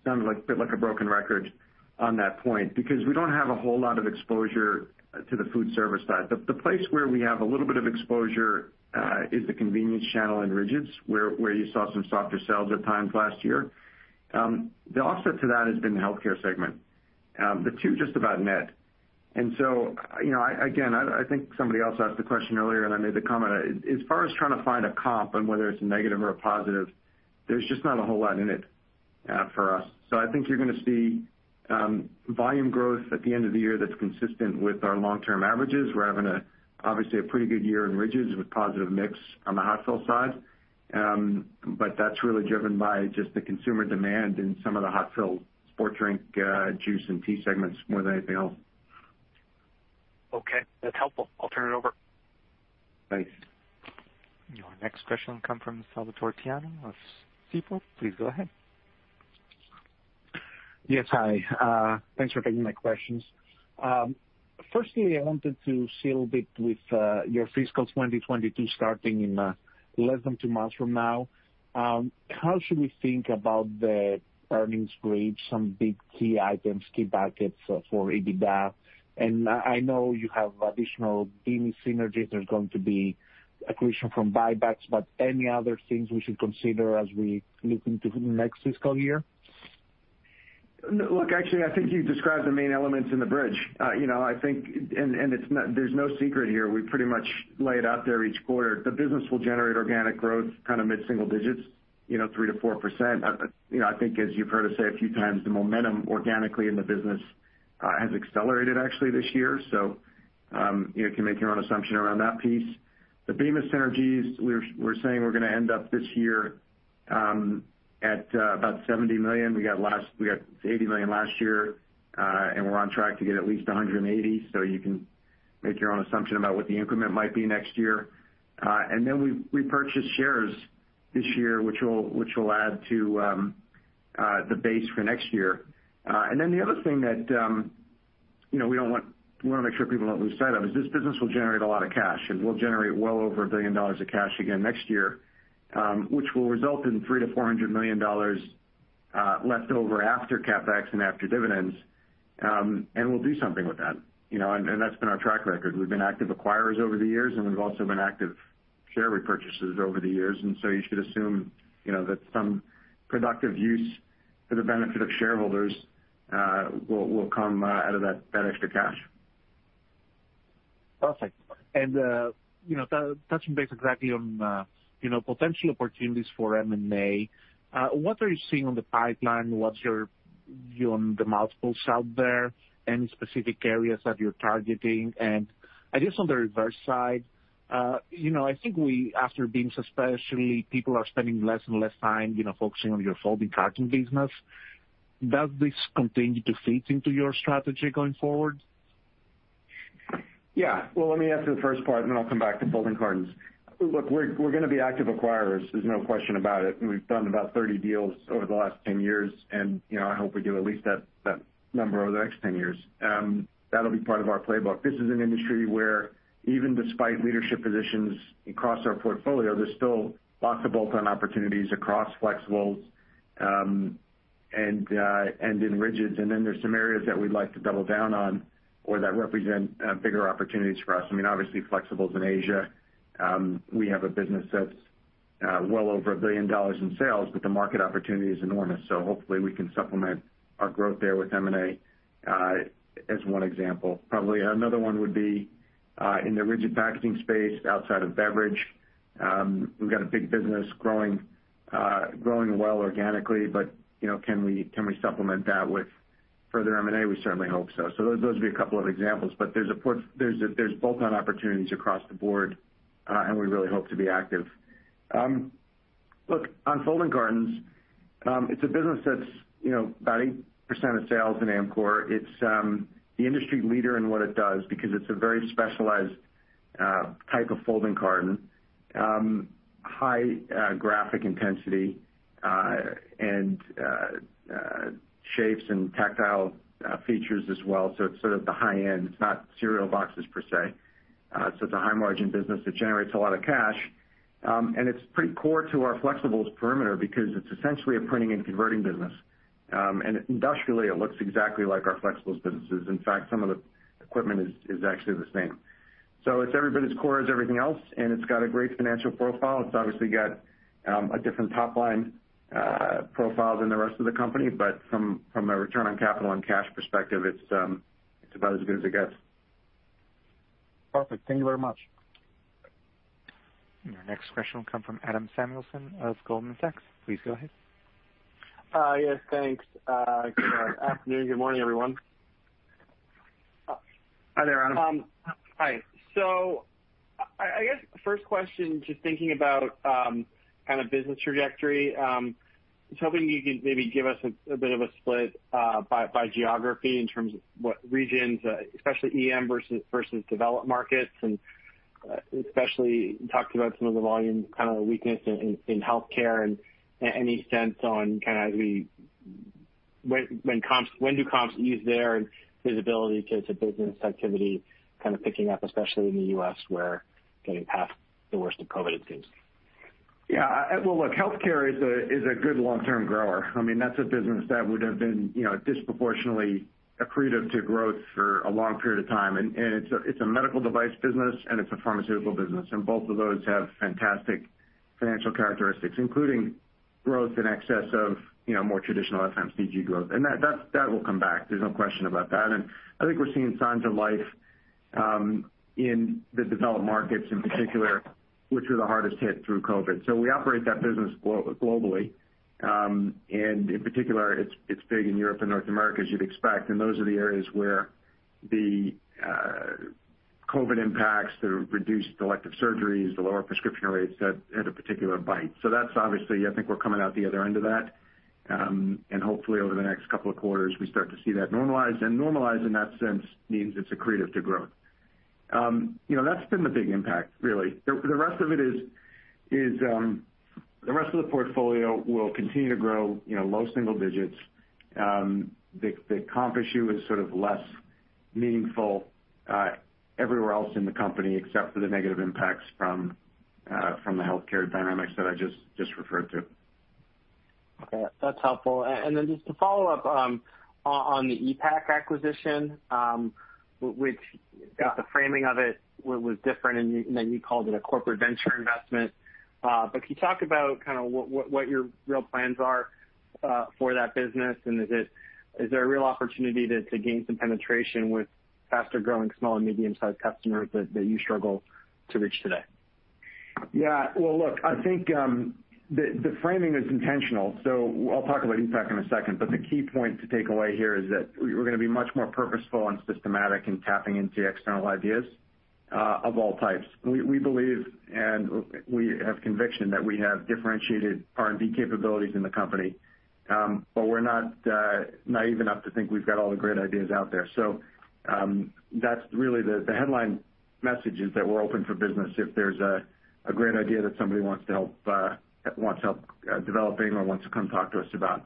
sounded a bit like a broken record on that point, because we don't have a whole lot of exposure to the food service side. The place where we have a little bit of exposure is the convenience channel in rigids, where you saw some softer sales at times last year. The offset to that has been the healthcare segment. The two just about net. Again, I think somebody else asked the question earlier, and I made the comment. As far as trying to find a comp on whether it's a negative or a positive, there's just not a whole lot in it for us. I think you're going to see volume growth at the end of the year that's consistent with our long-term averages. We're having, obviously, a pretty good year in rigids with positive mix on the hot-fill side. That's really driven by just the consumer demand in some of the hot-fill sports drink, juice, and tea segments more than anything else. Okay. That's helpful. I'll turn it over. Thanks. Your next question will come from Salvator Tiano of Stifel. Please go ahead. Yes, hi. Thanks for taking my questions. Firstly, I wanted to see a little bit with your fiscal 2022 starting in less than two months from now. How should we think about the earnings bridge, some big key items, key buckets for EBITDA? I know you have additional Bemis synergies that are going to be accretion from buybacks, but any other things we should consider as we look into the next fiscal year? Look, actually, I think you described the main elements in the bridge. There's no secret here. We pretty much lay it out there each quarter. The business will generate organic growth kind of mid-single digits, 3%-4%. I think as you've heard us say a few times, the momentum organically in the business has accelerated actually this year. You can make your own assumption around that piece. The Bemis synergies, we're saying we're going to end up this year at about $70 million. We got to $80 million last year, and we're on track to get at least $180. You can make your own assumption about what the increment might be next year. We purchased shares this year, which will add to the base for next year. The other thing that we want to make sure people don't lose sight of is this business will generate a lot of cash, and we'll generate well over $1 billion of cash again next year, which will result in $300 million-$400 million left over after CapEx and after dividends. We'll do something with that. That's been our track record. We've been active acquirers over the years, and we've also been active share repurchasers over the years. You should assume that some productive use for the benefit of shareholders will come out of that extra cash. Perfect. Touching base exactly on potential opportunities for M&A, what are you seeing on the pipeline? What's your view on the multiples out there? Any specific areas that you're targeting? I guess on the reverse side, I think after Bemis especially, people are spending less and less time focusing on your folding carton business. Does this continue to fit into your strategy going forward? Yeah. Well, let me answer the first part, then I'll come back to folding cartons. Look, we're going to be active acquirers. There's no question about it. We've done about 30 deals over the last 10 years, I hope we do at least that number over the next 10 years. That'll be part of our playbook. This is an industry where even despite leadership positions across our portfolio, there's still lots of bolt-on opportunities across flexibles and in rigids. Then there's some areas that we'd like to double down on or that represent bigger opportunities for us. Obviously, flexibles in Asia. We have a business that's well over $1 billion in sales, but the market opportunity is enormous. Hopefully we can supplement our growth there with M&A as one example. Probably another one would be in the rigid packaging space outside of beverage. We've got a big business growing well organically. Can we supplement that with further M&A? We certainly hope so. Those would be a couple of examples, but there's bolt-on opportunities across the board, and we really hope to be active. Look, on folding cartons, it's a business that's about 80% of sales in Amcor. It's the industry leader in what it does because it's a very specialized type of folding carton. High graphic intensity, and shapes, and tactile features as well. It's sort of the high end. It's not cereal boxes per se. It's a high-margin business that generates a lot of cash. It's pretty core to our flexibles parameter because it's essentially a printing and converting business. Industrially, it looks exactly like our flexibles businesses. In fact, some of the equipment is actually the same. It's every bit as core as everything else, and it's got a great financial profile. It's obviously got a different top-line profile than the rest of the company, but from a return on capital and cash perspective, it's about as good as it gets. Perfect. Thank you very much. Our next question will come from Adam Samuelson of Goldman Sachs. Please go ahead. Yes, thanks. Good afternoon. Good morning, everyone. Hi there, Adam. Hi. I guess first question, just thinking about kind of business trajectory. I was hoping you could maybe give us a bit of a split by geography in terms of what regions, especially EM versus developed markets, and especially you talked about some of the volume kind of weakness in healthcare, and any sense on kind of when do comps ease there and visibility to business activity kind of picking up, especially in the U.S. where getting past the worst of COVID, it seems? Well, look, healthcare is a good long-term grower. That's a business that would have been disproportionately accretive to growth for a long period of time. It's a medical device business, and it's a pharmaceutical business. Both of those have fantastic financial characteristics, including growth in excess of more traditional FMCG growth. That will come back. There's no question about that. I think we're seeing signs of life in the developed markets in particular, which were the hardest hit through COVID. We operate that business globally. In particular, it's big in Europe and North America, as you'd expect. Those are the areas where the COVID impacts, the reduced elective surgeries, the lower prescription rates had a particular bite. That's obviously, I think we're coming out the other end of that. Hopefully over the next couple of quarters, we start to see that normalize. Normalize in that sense means it's accretive to growth. That's been the big impact really. The rest of the portfolio will continue to grow low single digits. The comp issue is sort of less meaningful everywhere else in the company except for the negative impacts from the healthcare dynamics that I just referred to. Okay. That's helpful. Just to follow up on the ePac acquisition, which I guess the framing of it was different, and then you called it a corporate venture investment. Can you talk about kind of what your real plans are for that business? Is there a real opportunity to gain some penetration with faster-growing small and medium-sized customers that you struggle to reach today? Yeah. Well, look, I think the framing is intentional, so I'll talk about ePac in a second, but the key point to take away here is that we're going to be much more purposeful and systematic in tapping into external ideas of all types. We believe, and we have conviction, that we have differentiated R&D capabilities in the company. We're not naive enough to think we've got all the great ideas out there. That's really the headline message is that we're open for business if there's a great idea that somebody wants to help developing or wants to come talk to us about.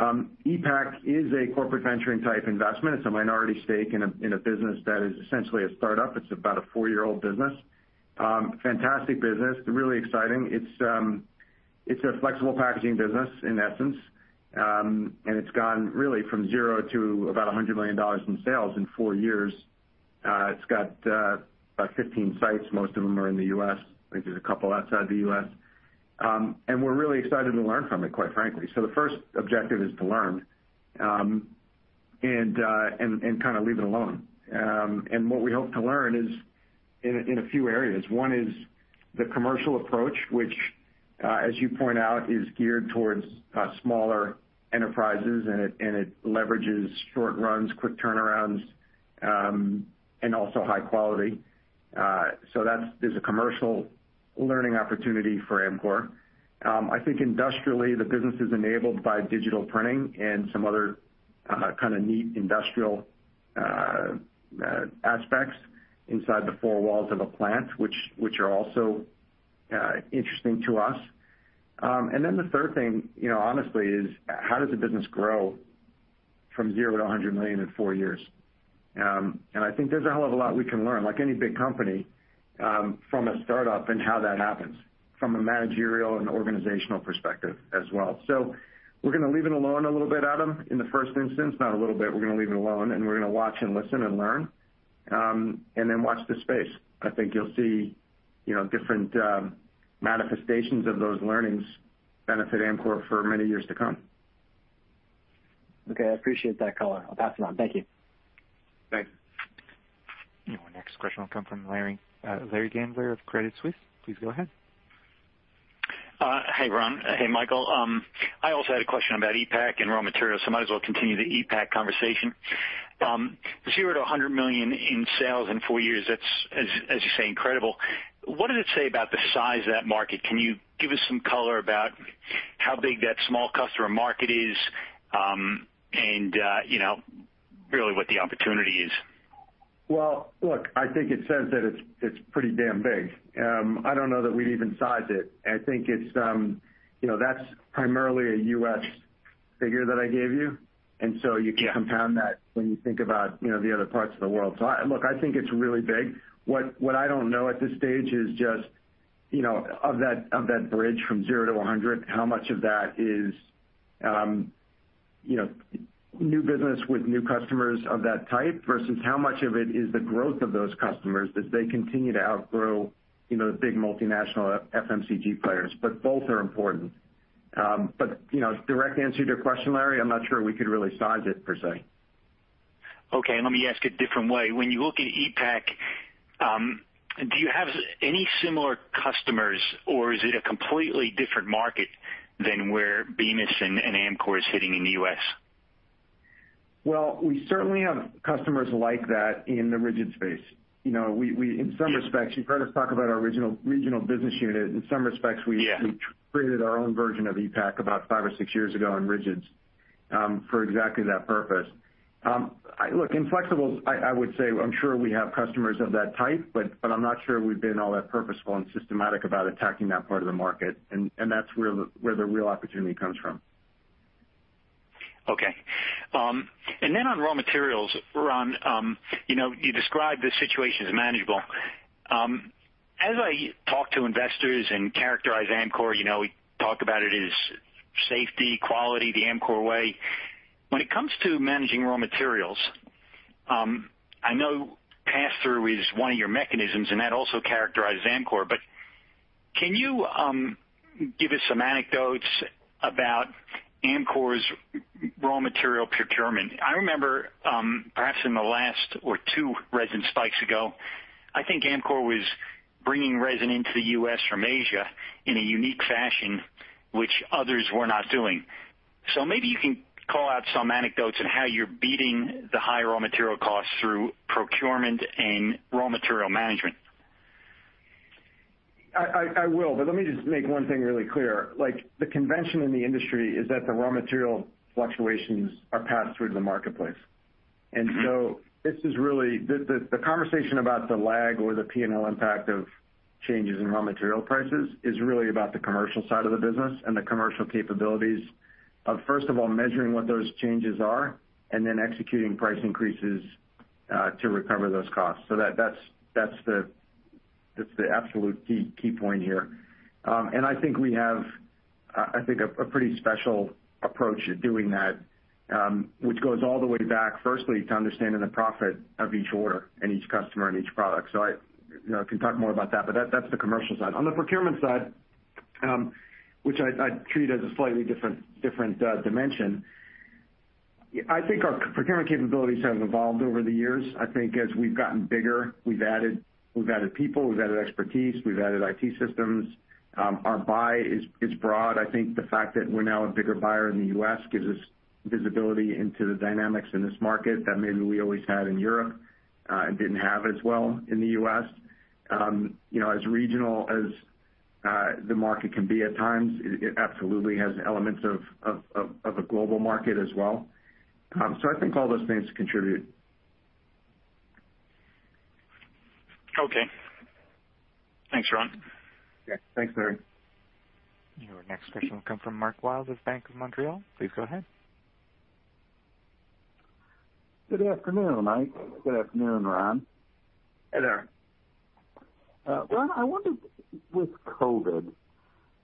ePac is a corporate venturing type investment. It's a minority stake in a business that is essentially a startup. It's about a four-year-old business. Fantastic business, really exciting. It's a flexible packaging business in essence. It's gone really from $0 to about $100 million in sales in four years. It's got about 15 sites, most of them are in the U.S. I think there's a couple outside the U.S. We're really excited to learn from it, quite frankly. The first objective is to learn, and kind of leave it alone. What we hope to learn is in a few areas. One is the commercial approach, which, as you point out, is geared towards smaller enterprises, and it leverages short runs, quick turnarounds, and also high quality. That is a commercial learning opportunity for Amcor. I think industrially, the business is enabled by digital printing and some other kind of neat industrial aspects inside the four walls of a plant, which are also interesting to us. The third thing honestly is how does a business grow from $0-&100 million in 4 years? I think there's a hell of a lot we can learn, like any big company, from a startup and how that happens from a managerial and organizational perspective as well. We're going to leave it alone a little bit, Adam, in the first instance. Not a little bit. We're going to leave it alone, and we're going to watch and listen and learn, and then watch the space. I think you'll see different manifestations of those learnings benefit Amcor for many years to come. Okay. I appreciate that color. I'll pass it on. Thank you. Thanks. Our next question will come from Larry Gandler of Credit Suisse. Please go ahead. Hey, Ron. Hey, Michael. I also had a question about ePac and raw materials, so might as well continue the ePac conversation. $0-$100 million in sales in four years, that's, as you say, incredible. What does it say about the size of that market? Can you give us some color about how big that small customer market is and really what the opportunity is? I think it says that it's pretty damn big. I don't know that we'd even sized it. I think that's primarily a U.S. figure that I gave you. You can compound that when you think about the other parts of the world. I think it's really big. What I don't know at this stage is just of that bridge from 0-100, how much of that is new business with new customers of that type, versus how much of it is the growth of those customers as they continue to outgrow the big multinational FMCG players. Both are important. Direct answer to your question, Larry, I'm not sure we could really size it per se. Okay. Let me ask a different way. When you look at ePac, do you have any similar customers, or is it a completely different market than where Bemis and Amcor is sitting in the U.S.? Well, we certainly have customers like that in the rigid space. In some respects, you've heard us talk about our regional business unit. Yeah we created our own version of ePac about 5 or 6 years ago in rigids, for exactly that purpose. Look, in flexibles, I would say I'm sure we have customers of that type, but I'm not sure we've been all that purposeful and systematic about attacking that part of the market, and that's where the real opportunity comes from. Okay. On raw materials, Ron, you described the situation as manageable. As I talk to investors and characterize Amcor, we talk about it as safety, quality, the Amcor Way. When it comes to managing raw materials, I know pass-through is one of your mechanisms, and that also characterizes Amcor. Can you give us some anecdotes about Amcor's raw material procurement? I remember, perhaps in the last or two resin spikes ago, I think Amcor was bringing resin into the U.S. from Asia in a unique fashion, which others were not doing. Maybe you can call out some anecdotes on how you're beating the high raw material costs through procurement and raw material management. I will, but let me just make one thing really clear. The convention in the industry is that the raw material fluctuations are passed through to the marketplace. The conversation about the lag or the P&L impact of changes in raw material prices is really about the commercial side of the business and the commercial capabilities of, first of all, measuring what those changes are, and then executing price increases to recover those costs. That's the absolute key point here. I think we have a pretty special approach at doing that, which goes all the way back, firstly, to understanding the profit of each order and each customer and each product. I can talk more about that, but that's the commercial side. On the procurement side, which I treat as a slightly different dimension, I think our procurement capabilities have evolved over the years. I think as we've gotten bigger, we've added people, we've added expertise, we've added IT systems. Our buy is broad. I think the fact that we're now a bigger buyer in the U.S. gives us visibility into the dynamics in this market that maybe we always had in Europe, and didn't have as well in the U.S. As regional as the market can be at times, it absolutely has elements of a global market as well. I think all those things contribute. Okay. Thanks, Ron. Yeah. Thanks, Larry. Your next question will come from Mark Wilde of Bank of Montreal. Please go ahead. Good afternoon, Mike. Good afternoon, Ron. Hey there. Ron, I wonder, with COVID,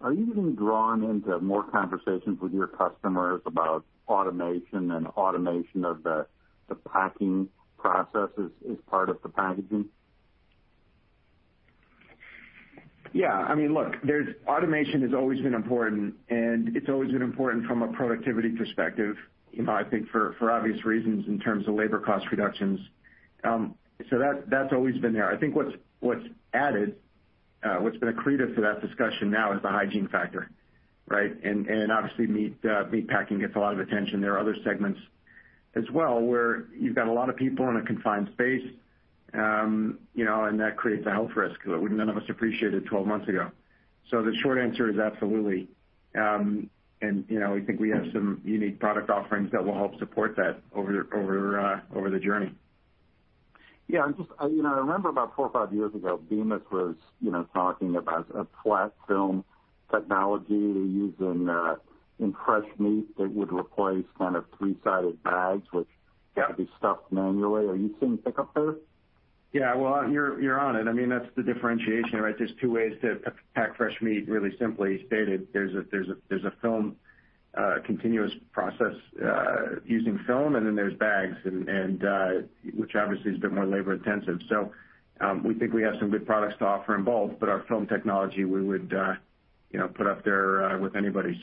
are you getting drawn into more conversations with your customers about automation and automation of the packing processes as part of the packaging? Yeah. Automation has always been important, and it's always been important from a productivity perspective, I think for obvious reasons in terms of labor cost reductions. That's always been there. I think what's added, what's been accretive to that discussion now is the hygiene factor, right? Obviously meat packing gets a lot of attention. There are other segments as well, where you've got a lot of people in a confined space, and that creates a health risk that none of us appreciated 12 months ago. The short answer is absolutely. We think we have some unique product offerings that will help support that over the journey. Yeah. I remember about four or five years ago, Bemis was talking about a flat film technology used in fresh meat that would replace three-sided bags which- Yeah could be stuffed manually. Are you seeing pickup there? Yeah. Well, you're on it. That's the differentiation, right? There's two ways to pack fresh meat, really simply stated. There's a continuous process using film and then there's bags, which obviously is a bit more labor intensive. We think we have some good products to offer in both, but our film technology we would put up there with anybody's.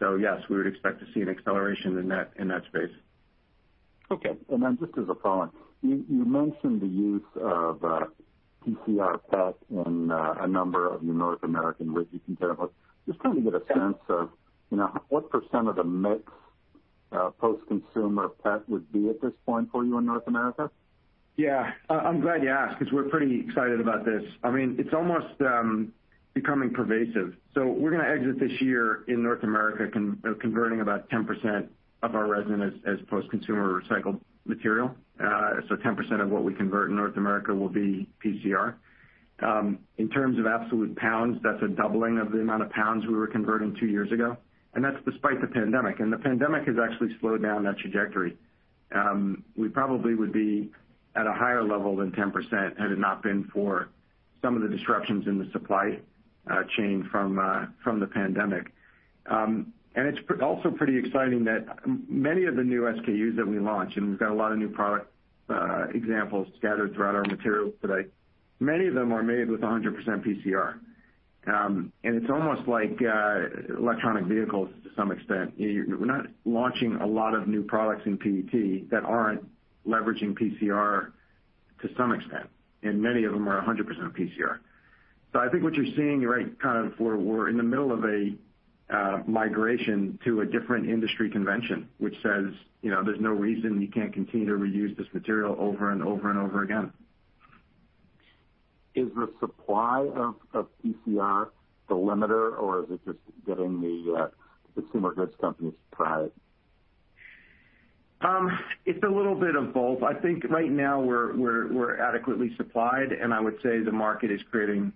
Yes, we would expect to see an acceleration in that space. Okay. Just as a follow-on, you mentioned the use of PCR PET in a number of your North American rigid containers. Just trying to get a sense of what % of the mix post-consumer PET would be at this point for you in North America? I'm glad you asked, because we're pretty excited about this. It's almost becoming pervasive. We're going to exit this year in North America converting about 10% of our resin as post-consumer recycled material. 10% of what we convert in North America will be PCR. In terms of absolute pounds, that's a doubling of the amount of pounds we were converting two years ago, and that's despite the pandemic. The pandemic has actually slowed down that trajectory. We probably would be at a higher level than 10% had it not been for some of the disruptions in the supply chain from the pandemic. It's also pretty exciting that many of the new SKUs that we launch, and we've got a lot of new product examples scattered throughout our materials today, many of them are made with 100% PCR. It's almost like electric vehicles to some extent. We're not launching a lot of new products in PET that aren't leveraging PCR to some extent, and many of them are 100% PCR. I think what you're seeing, you're right, we're in the middle of a migration to a different industry convention, which says there's no reason you can't continue to reuse this material over and over and over again. Is the supply of PCR the limiter or is it just getting the consumer goods companies to try it? It's a little bit of both. I think right now we're adequately supplied, and I would say the market is creating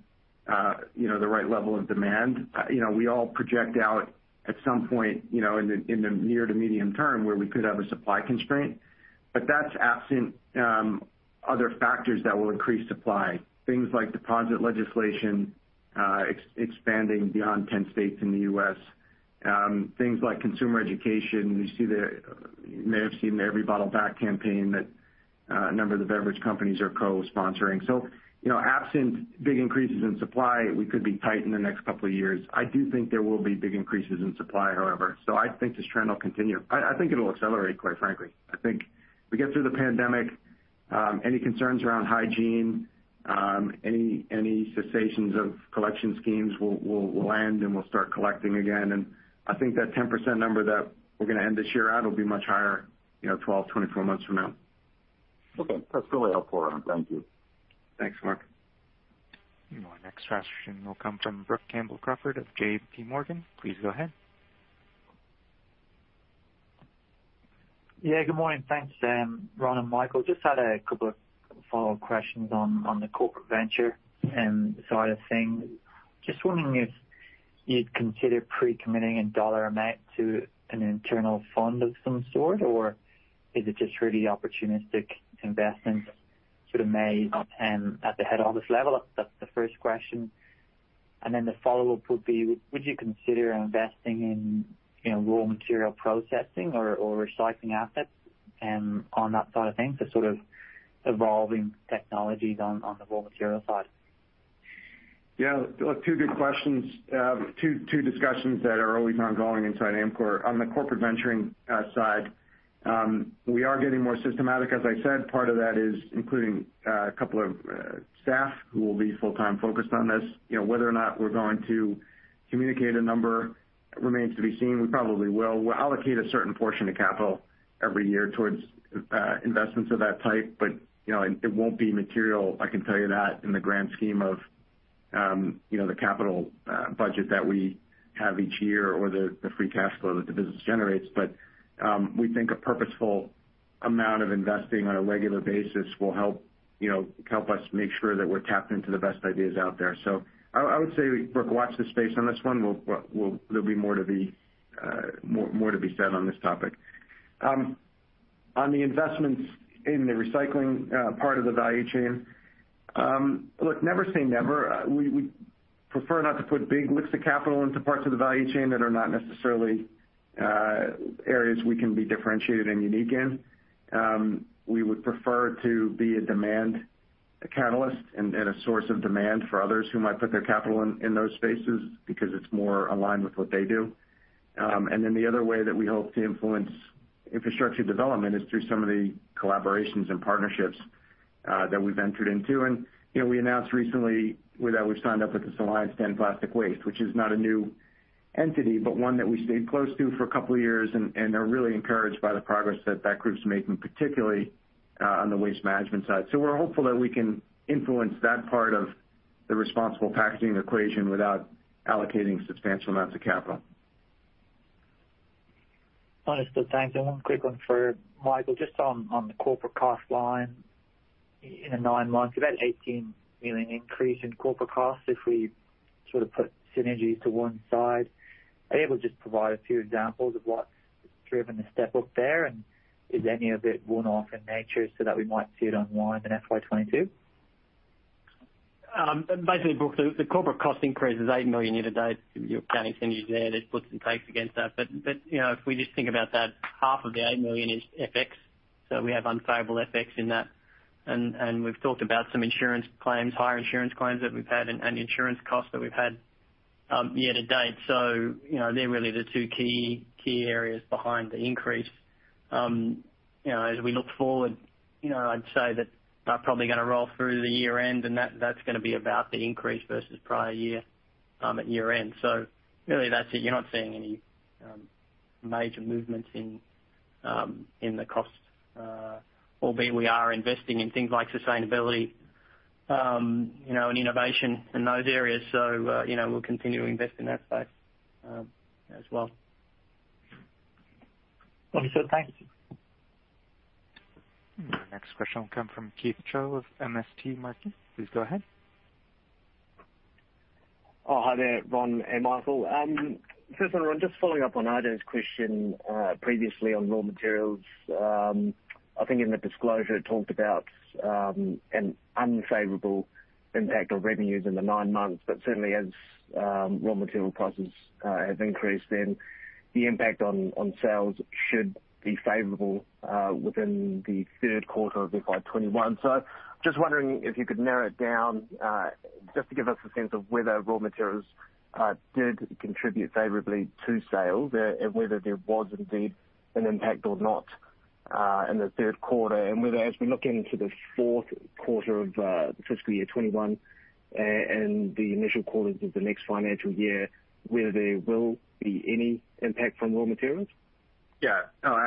the right level of demand. We all project out at some point, in the near to medium term where we could have a supply constraint, but that's absent other factors that will increase supply. Things like deposit legislation expanding beyond 10 states in the U.S. Things like consumer education. You may have seen the Every Bottle Back campaign that a number of the beverage companies are co-sponsoring. Absent big increases in supply, we could be tight in the next couple of years. I do think there will be big increases in supply, however. I think this trend will continue. I think it'll accelerate, quite frankly. I think we get through the pandemic, any concerns around hygiene, any cessations of collection schemes will end, and we'll start collecting again. I think that 10% number that we're going to end this year at will be much higher 12, 24 months from now. Okay. That's really helpful, Ron. Thank you. Thanks, Mark. Our next question will come from Brook Campbell-Crawford of JP Morgan. Please go ahead. Yeah, good morning. Thanks, Ron and Michael. Just had a couple of follow-up questions on the corporate venture side of things. Just wondering if you'd consider pre-committing a dollar amount to an internal fund of some sort, or is it just really opportunistic investments sort of made at the head office level? That's the first question. The follow-up would be, would you consider investing in raw material processing or recycling assets on that side of things, the sort of evolving technologies on the raw material side? Yeah. Look, two good questions. Two discussions that are always ongoing inside Amcor. On the corporate venturing side, we are getting more systematic. As I said, part of that is including a couple of staff who will be full-time focused on this. Whether or not we're going to communicate a number remains to be seen. We probably will. We'll allocate a certain portion of capital every year towards investments of that type, it won't be material, I can tell you that, in the grand scheme of the capital budget that we have each year or the free cash flow that the business generates. We think a purposeful amount of investing on a regular basis will help us make sure that we're tapped into the best ideas out there. I would say, Brook, watch this space on this one. There'll be more to be said on this topic. On the investments in the recycling part of the value chain, look, never say never. We prefer not to put big licks of capital into parts of the value chain that are not necessarily areas we can be differentiated and unique in. We would prefer to be a demand catalyst and a source of demand for others who might put their capital in those spaces because it's more aligned with what they do. The other way that we hope to influence infrastructure development is through some of the collaborations and partnerships that we've entered into. We announced recently that we've signed up with the Alliance to End Plastic Waste, which is not a new entity, but one that we stayed close to for a couple of years and are really encouraged by the progress that group's making, particularly on the waste management side. We're hopeful that we can influence that part of the responsible packaging equation without allocating substantial amounts of capital. Understood. Thanks. One quick one for Michael, just on the corporate cost line. In the nine months, about $18 million increase in corporate costs, if we put synergies to one side. Are you able to just provide a few examples of what's driven the step-up there, and is any of it one-off in nature so that we might see it unwind in FY 2022? Basically, Brook, the corporate cost increase is $8 million year-to-date. Accounting [inaudible] there's puts and takes against that. If we just think about that, half of the $8 million is FX. We have unfavorable FX in that, and we've talked about some insurance claims, higher insurance claims that we've had and insurance costs that we've had year to date. They're really the two key areas behind the increase. As we look forward, I'd say that they're probably going to roll through to the year end, and that's going to be about the increase versus prior year at year end. Really that's it. You're not seeing any major movements in the costs, albeit we are investing in things like sustainability and innovation in those areas. We'll continue to invest in that space as well. Understood. Thank you. Our next question will come from Keith Chau of MST Marquee. Please go ahead. Hi there, Ron Delia and Michael Casamento. First one, Ron Delia, just following up on Adam Samuelson's question previously on raw materials. In the disclosure it talked about an unfavorable impact on revenues in the nine months, certainly as raw material prices have increased, the impact on sales should be favorable within the third quarter of FY 2021. Just wondering if you could narrow it down, just to give us a sense of whether raw materials did contribute favorably to sales and whether there was indeed an impact or not in the third quarter. Whether as we look into the fourth quarter of the fiscal year 2021 and the initial quarters of the next financial year, whether there will be any impact from raw materials? Yeah. No,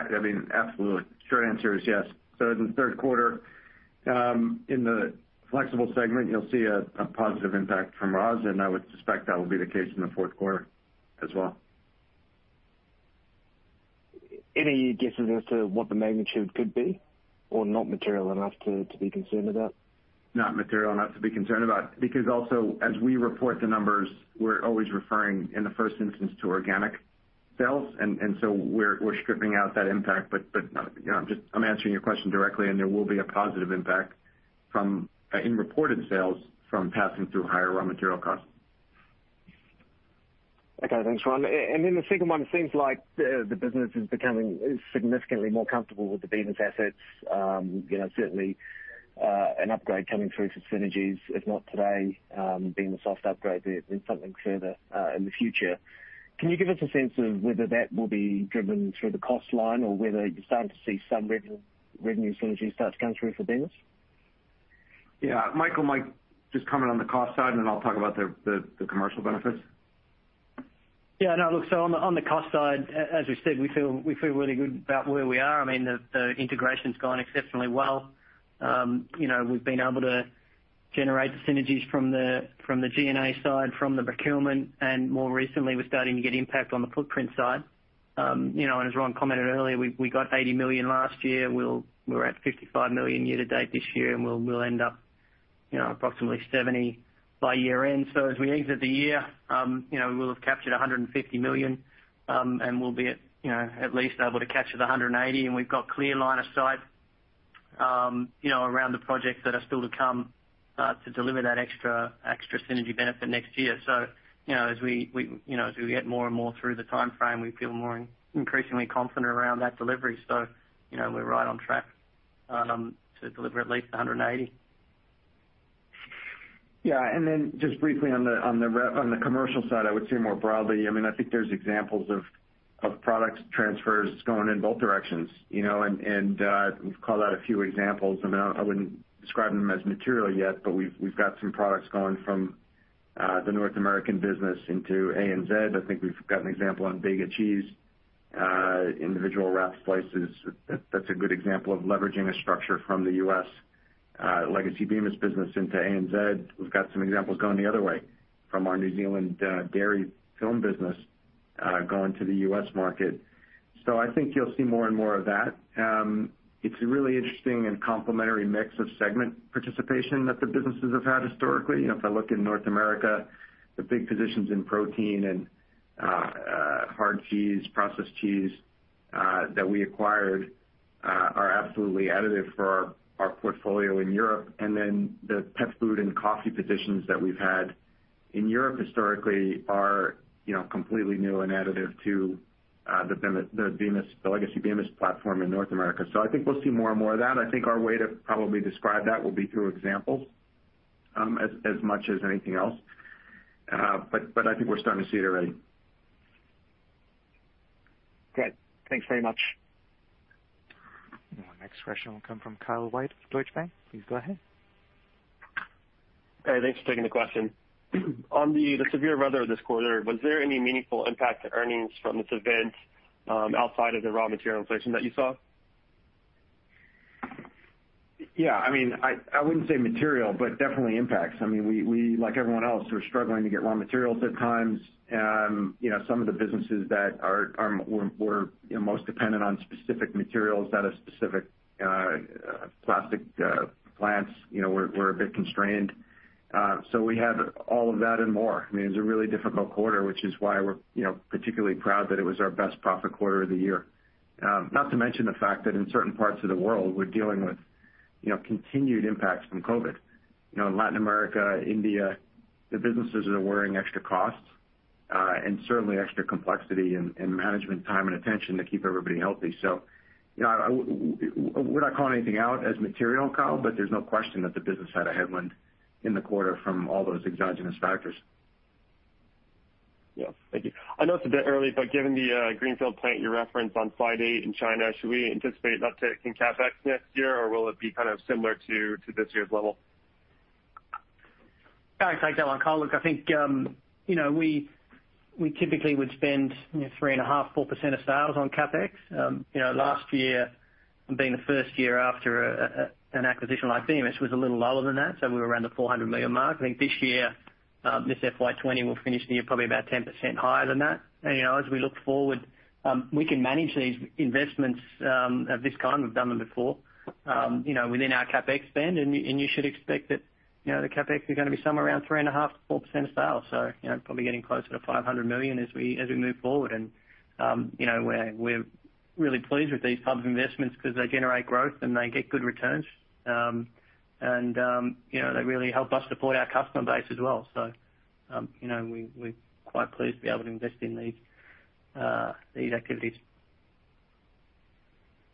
absolutely. Short answer is yes. In the third quarter, in the Flexible segment, you'll see a positive impact from raws, and I would suspect that will be the case in the fourth quarter as well. Any guesses as to what the magnitude could be? Not material enough to be concerned about? Not material enough to be concerned about. Also, as we report the numbers, we're always referring in the first instance to organic sales. We're stripping out that impact. I'm answering your question directly, and there will be a positive impact in reported sales from passing through higher raw material costs. Okay. Thanks, Ron. The second one, it seems like the business is becoming significantly more comfortable with the Bemis assets. Certainly an upgrade coming through for synergies, if not today, being a soft upgrade there, something further in the future. Can you give us a sense of whether that will be driven through the cost line or whether you're starting to see some revenue synergies start to come through for Bemis? Yeah. Michael might just comment on the cost side, and then I'll talk about the commercial benefits. Yeah. No, look, on the cost side, as we've said, we feel really good about where we are. The integration's gone exceptionally well. We've been able to generate the synergies from the G&A side, from the procurement, and more recently, we're starting to get impact on the footprint side. As Ron commented earlier, we got $80 million last year. We're at $55 million year-to-date this year, we'll end up approximately $70 by year end. As we exit the year, we will have captured $150 million, we'll be at least able to capture the $180, we've got clear line of sight around the projects that are still to come to deliver that extra synergy benefit next year. As we get more and more through the timeframe, we feel more increasingly confident around that delivery. We're right on track to deliver at least $190. Yeah. Then just briefly on the commercial side, I would say more broadly, I think there's examples of products transfers going in both directions. We've called out a few examples, and I wouldn't describe them as material yet, but we've got some products going from the North American business into ANZ. I think we've got an example on Bega Cheese, individual wrapped slices. That's a good example of leveraging a structure from the U.S. Legacy Bemis business into ANZ. We've got some examples going the other way from our New Zealand dairy film business going to the U.S. market. I think you'll see more and more of that. It's a really interesting and complementary mix of segment participation that the businesses have had historically. If I look in North America, the big positions in protein and hard cheese, processed cheese, that we acquired are absolutely additive for our portfolio in Europe. Then the pet food and coffee positions that we've had in Europe historically are completely new and additive to the legacy Bemis platform in North America. I think we'll see more and more of that. I think our Amcor Way to probably describe that will be through examples as much as anything else. I think we're starting to see it already. Great. Thanks very much. Our next question will come from Kyle White of Deutsche Bank. Please go ahead. Hey, thanks for taking the question. On the severe weather this quarter, was there any meaningful impact to earnings from this event outside of the raw material inflation that you saw? Yeah. I wouldn't say material, but definitely impacts. We, like everyone else, we're struggling to get raw materials at times. Some of the businesses that were most dependent on specific materials out of specific plastic plants were a bit constrained. We have all of that and more. It was a really difficult quarter, which is why we're particularly proud that it was our best profit quarter of the year. Not to mention the fact that in certain parts of the world, we're dealing with continued impacts from COVID. In Latin America, India, the businesses are wearing extra costs and certainly extra complexity and management time and attention to keep everybody healthy. We're not calling anything out as material, Kyle, there's no question that the business had a headwind in the quarter from all those exogenous factors. Yeah. Thank you. I know it's a bit early, given the greenfield plant you referenced on slide eight in China, should we anticipate an uptick in CapEx next year, or will it be similar to this year's level? I'll take that one, Kyle. Look, I think we typically would spend 3.5%-4% of sales on CapEx. Last year being the first year after an acquisition like Bemis was a little lower than that, so we were around the $400 million mark. I think this year, this FY 2021 will finish the year probably about 10% higher than that. As we look forward, we can manage these investments of this kind, we've done them before within our CapEx spend, and you should expect that the CapEx is going to be somewhere around 3.5%-4% of sales. Probably getting closer to $500 million as we move forward. We're really pleased with these types of investments because they generate growth, and they get good returns. They really help us deploy our customer base as well. We're quite pleased to be able to invest in these activities.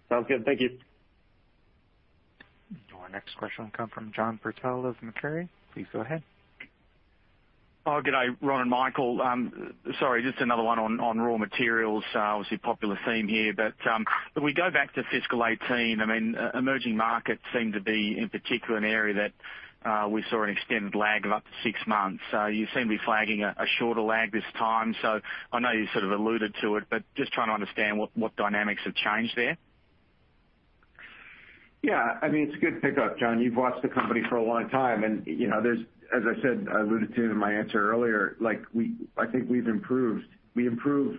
Sounds good. Thank you. Our next question will come from John Purtell of Macquarie. Please go ahead. Oh, good day, Ron and Michael. Sorry, just another one on raw materials. Obviously a popular theme here. If we go back to fiscal 2018, emerging markets seem to be, in particular, an area that we saw an extended lag of up to six months. You seem to be flagging a shorter lag this time. I know you sort of alluded to it, but just trying to understand what dynamics have changed there. Yeah. It's a good pickup, John. You've watched the company for a long time, and as I said, I alluded to in my answer earlier, I think we improve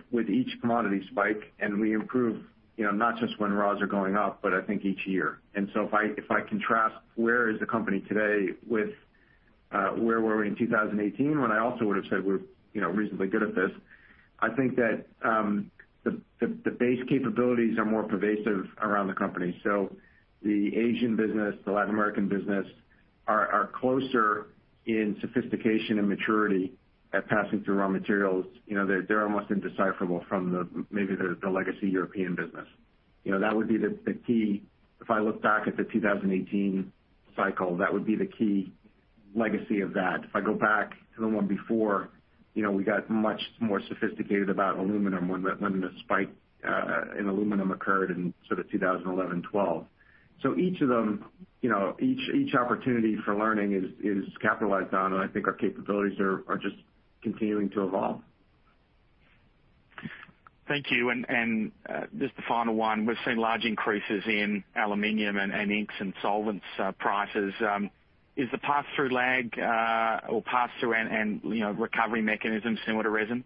with each commodity spike, and we improve not just when raws are going up, but I think each year. If I contrast where is the company today with where were we in 2018, when I also would've said we're reasonably good at this. I think that the base capabilities are more pervasive around the company. The Asian business, the Latin American business are closer in sophistication and maturity at passing through raw materials. They're almost indecipherable from maybe the legacy European business. That would be the key. If I look back at the 2018 cycle, that would be the key legacy of that. If I go back to the one before, we got much more sophisticated about aluminum when the spike in aluminum occurred in 2011-2012. Each opportunity for learning is capitalized on, and I think our capabilities are just continuing to evolve. Thank you. Just the final one. We've seen large increases in aluminum and inks and solvents prices. Is the pass-through lag or pass-through and recovery mechanism similar to resin?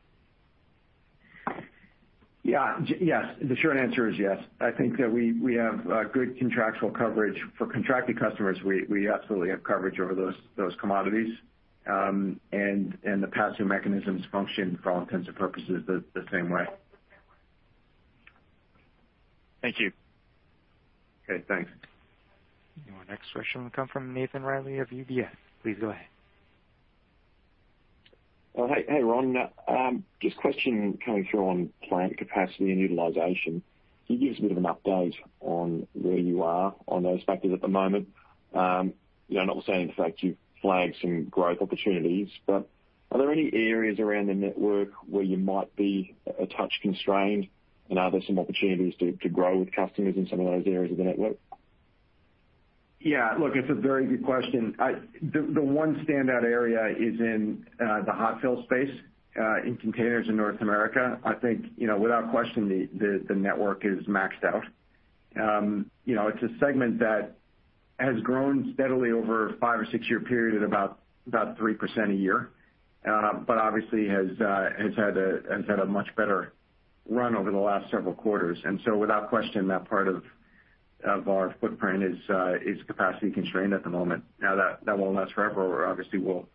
Yes. The short answer is yes. I think that we have good contractual coverage. For contracted customers, we absolutely have coverage over those commodities. The pass-through mechanisms function, for all intents and purposes, the same way. Thank you. Okay, thanks. Our next question will come from Nathan Reilly of UBS. Please go ahead. Hey, Ron. A question coming through on plant capacity and utilization. Can you give us a bit of an update on where you are on those factors at the moment? Notwithstanding the fact you've flagged some growth opportunities, are there any areas around the network where you might be a touch constrained? Are there some opportunities to grow with customers in some of those areas of the network? Yeah. Look, it's a very good question. The one standout area is in the hot fill space in containers in North America. I think, without question, the network is maxed out. It's a segment that has grown steadily over a 5 or 6-year period at about 3% a year. Obviously has had a much better run over the last several quarters. Without question, that part of our footprint is capacity constrained at the moment. Now, that won't last forever. Obviously, we'll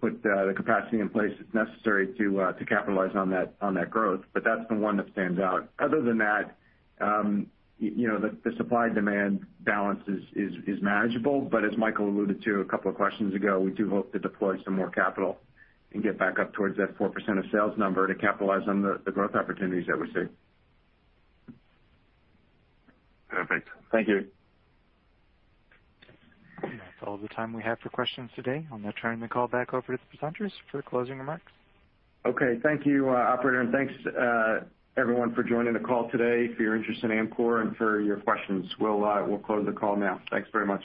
put the capacity in place if necessary to capitalize on that growth, but that's the one that stands out. Other than that, the supply-demand balance is manageable, but as Michael alluded to a couple of questions ago, we do hope to deploy some more capital and get back up towards that 4% of sales number to capitalize on the growth opportunities that we see. Perfect. Thank you. That's all the time we have for questions today. I'll now turn the call back over to the presenters for the closing remarks. Okay. Thank you, operator, and thanks everyone for joining the call today, for your interest in Amcor, and for your questions. We'll close the call now. Thanks very much.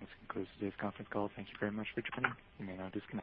This concludes today's conference call. Thank you very much for joining. You may now disconnect.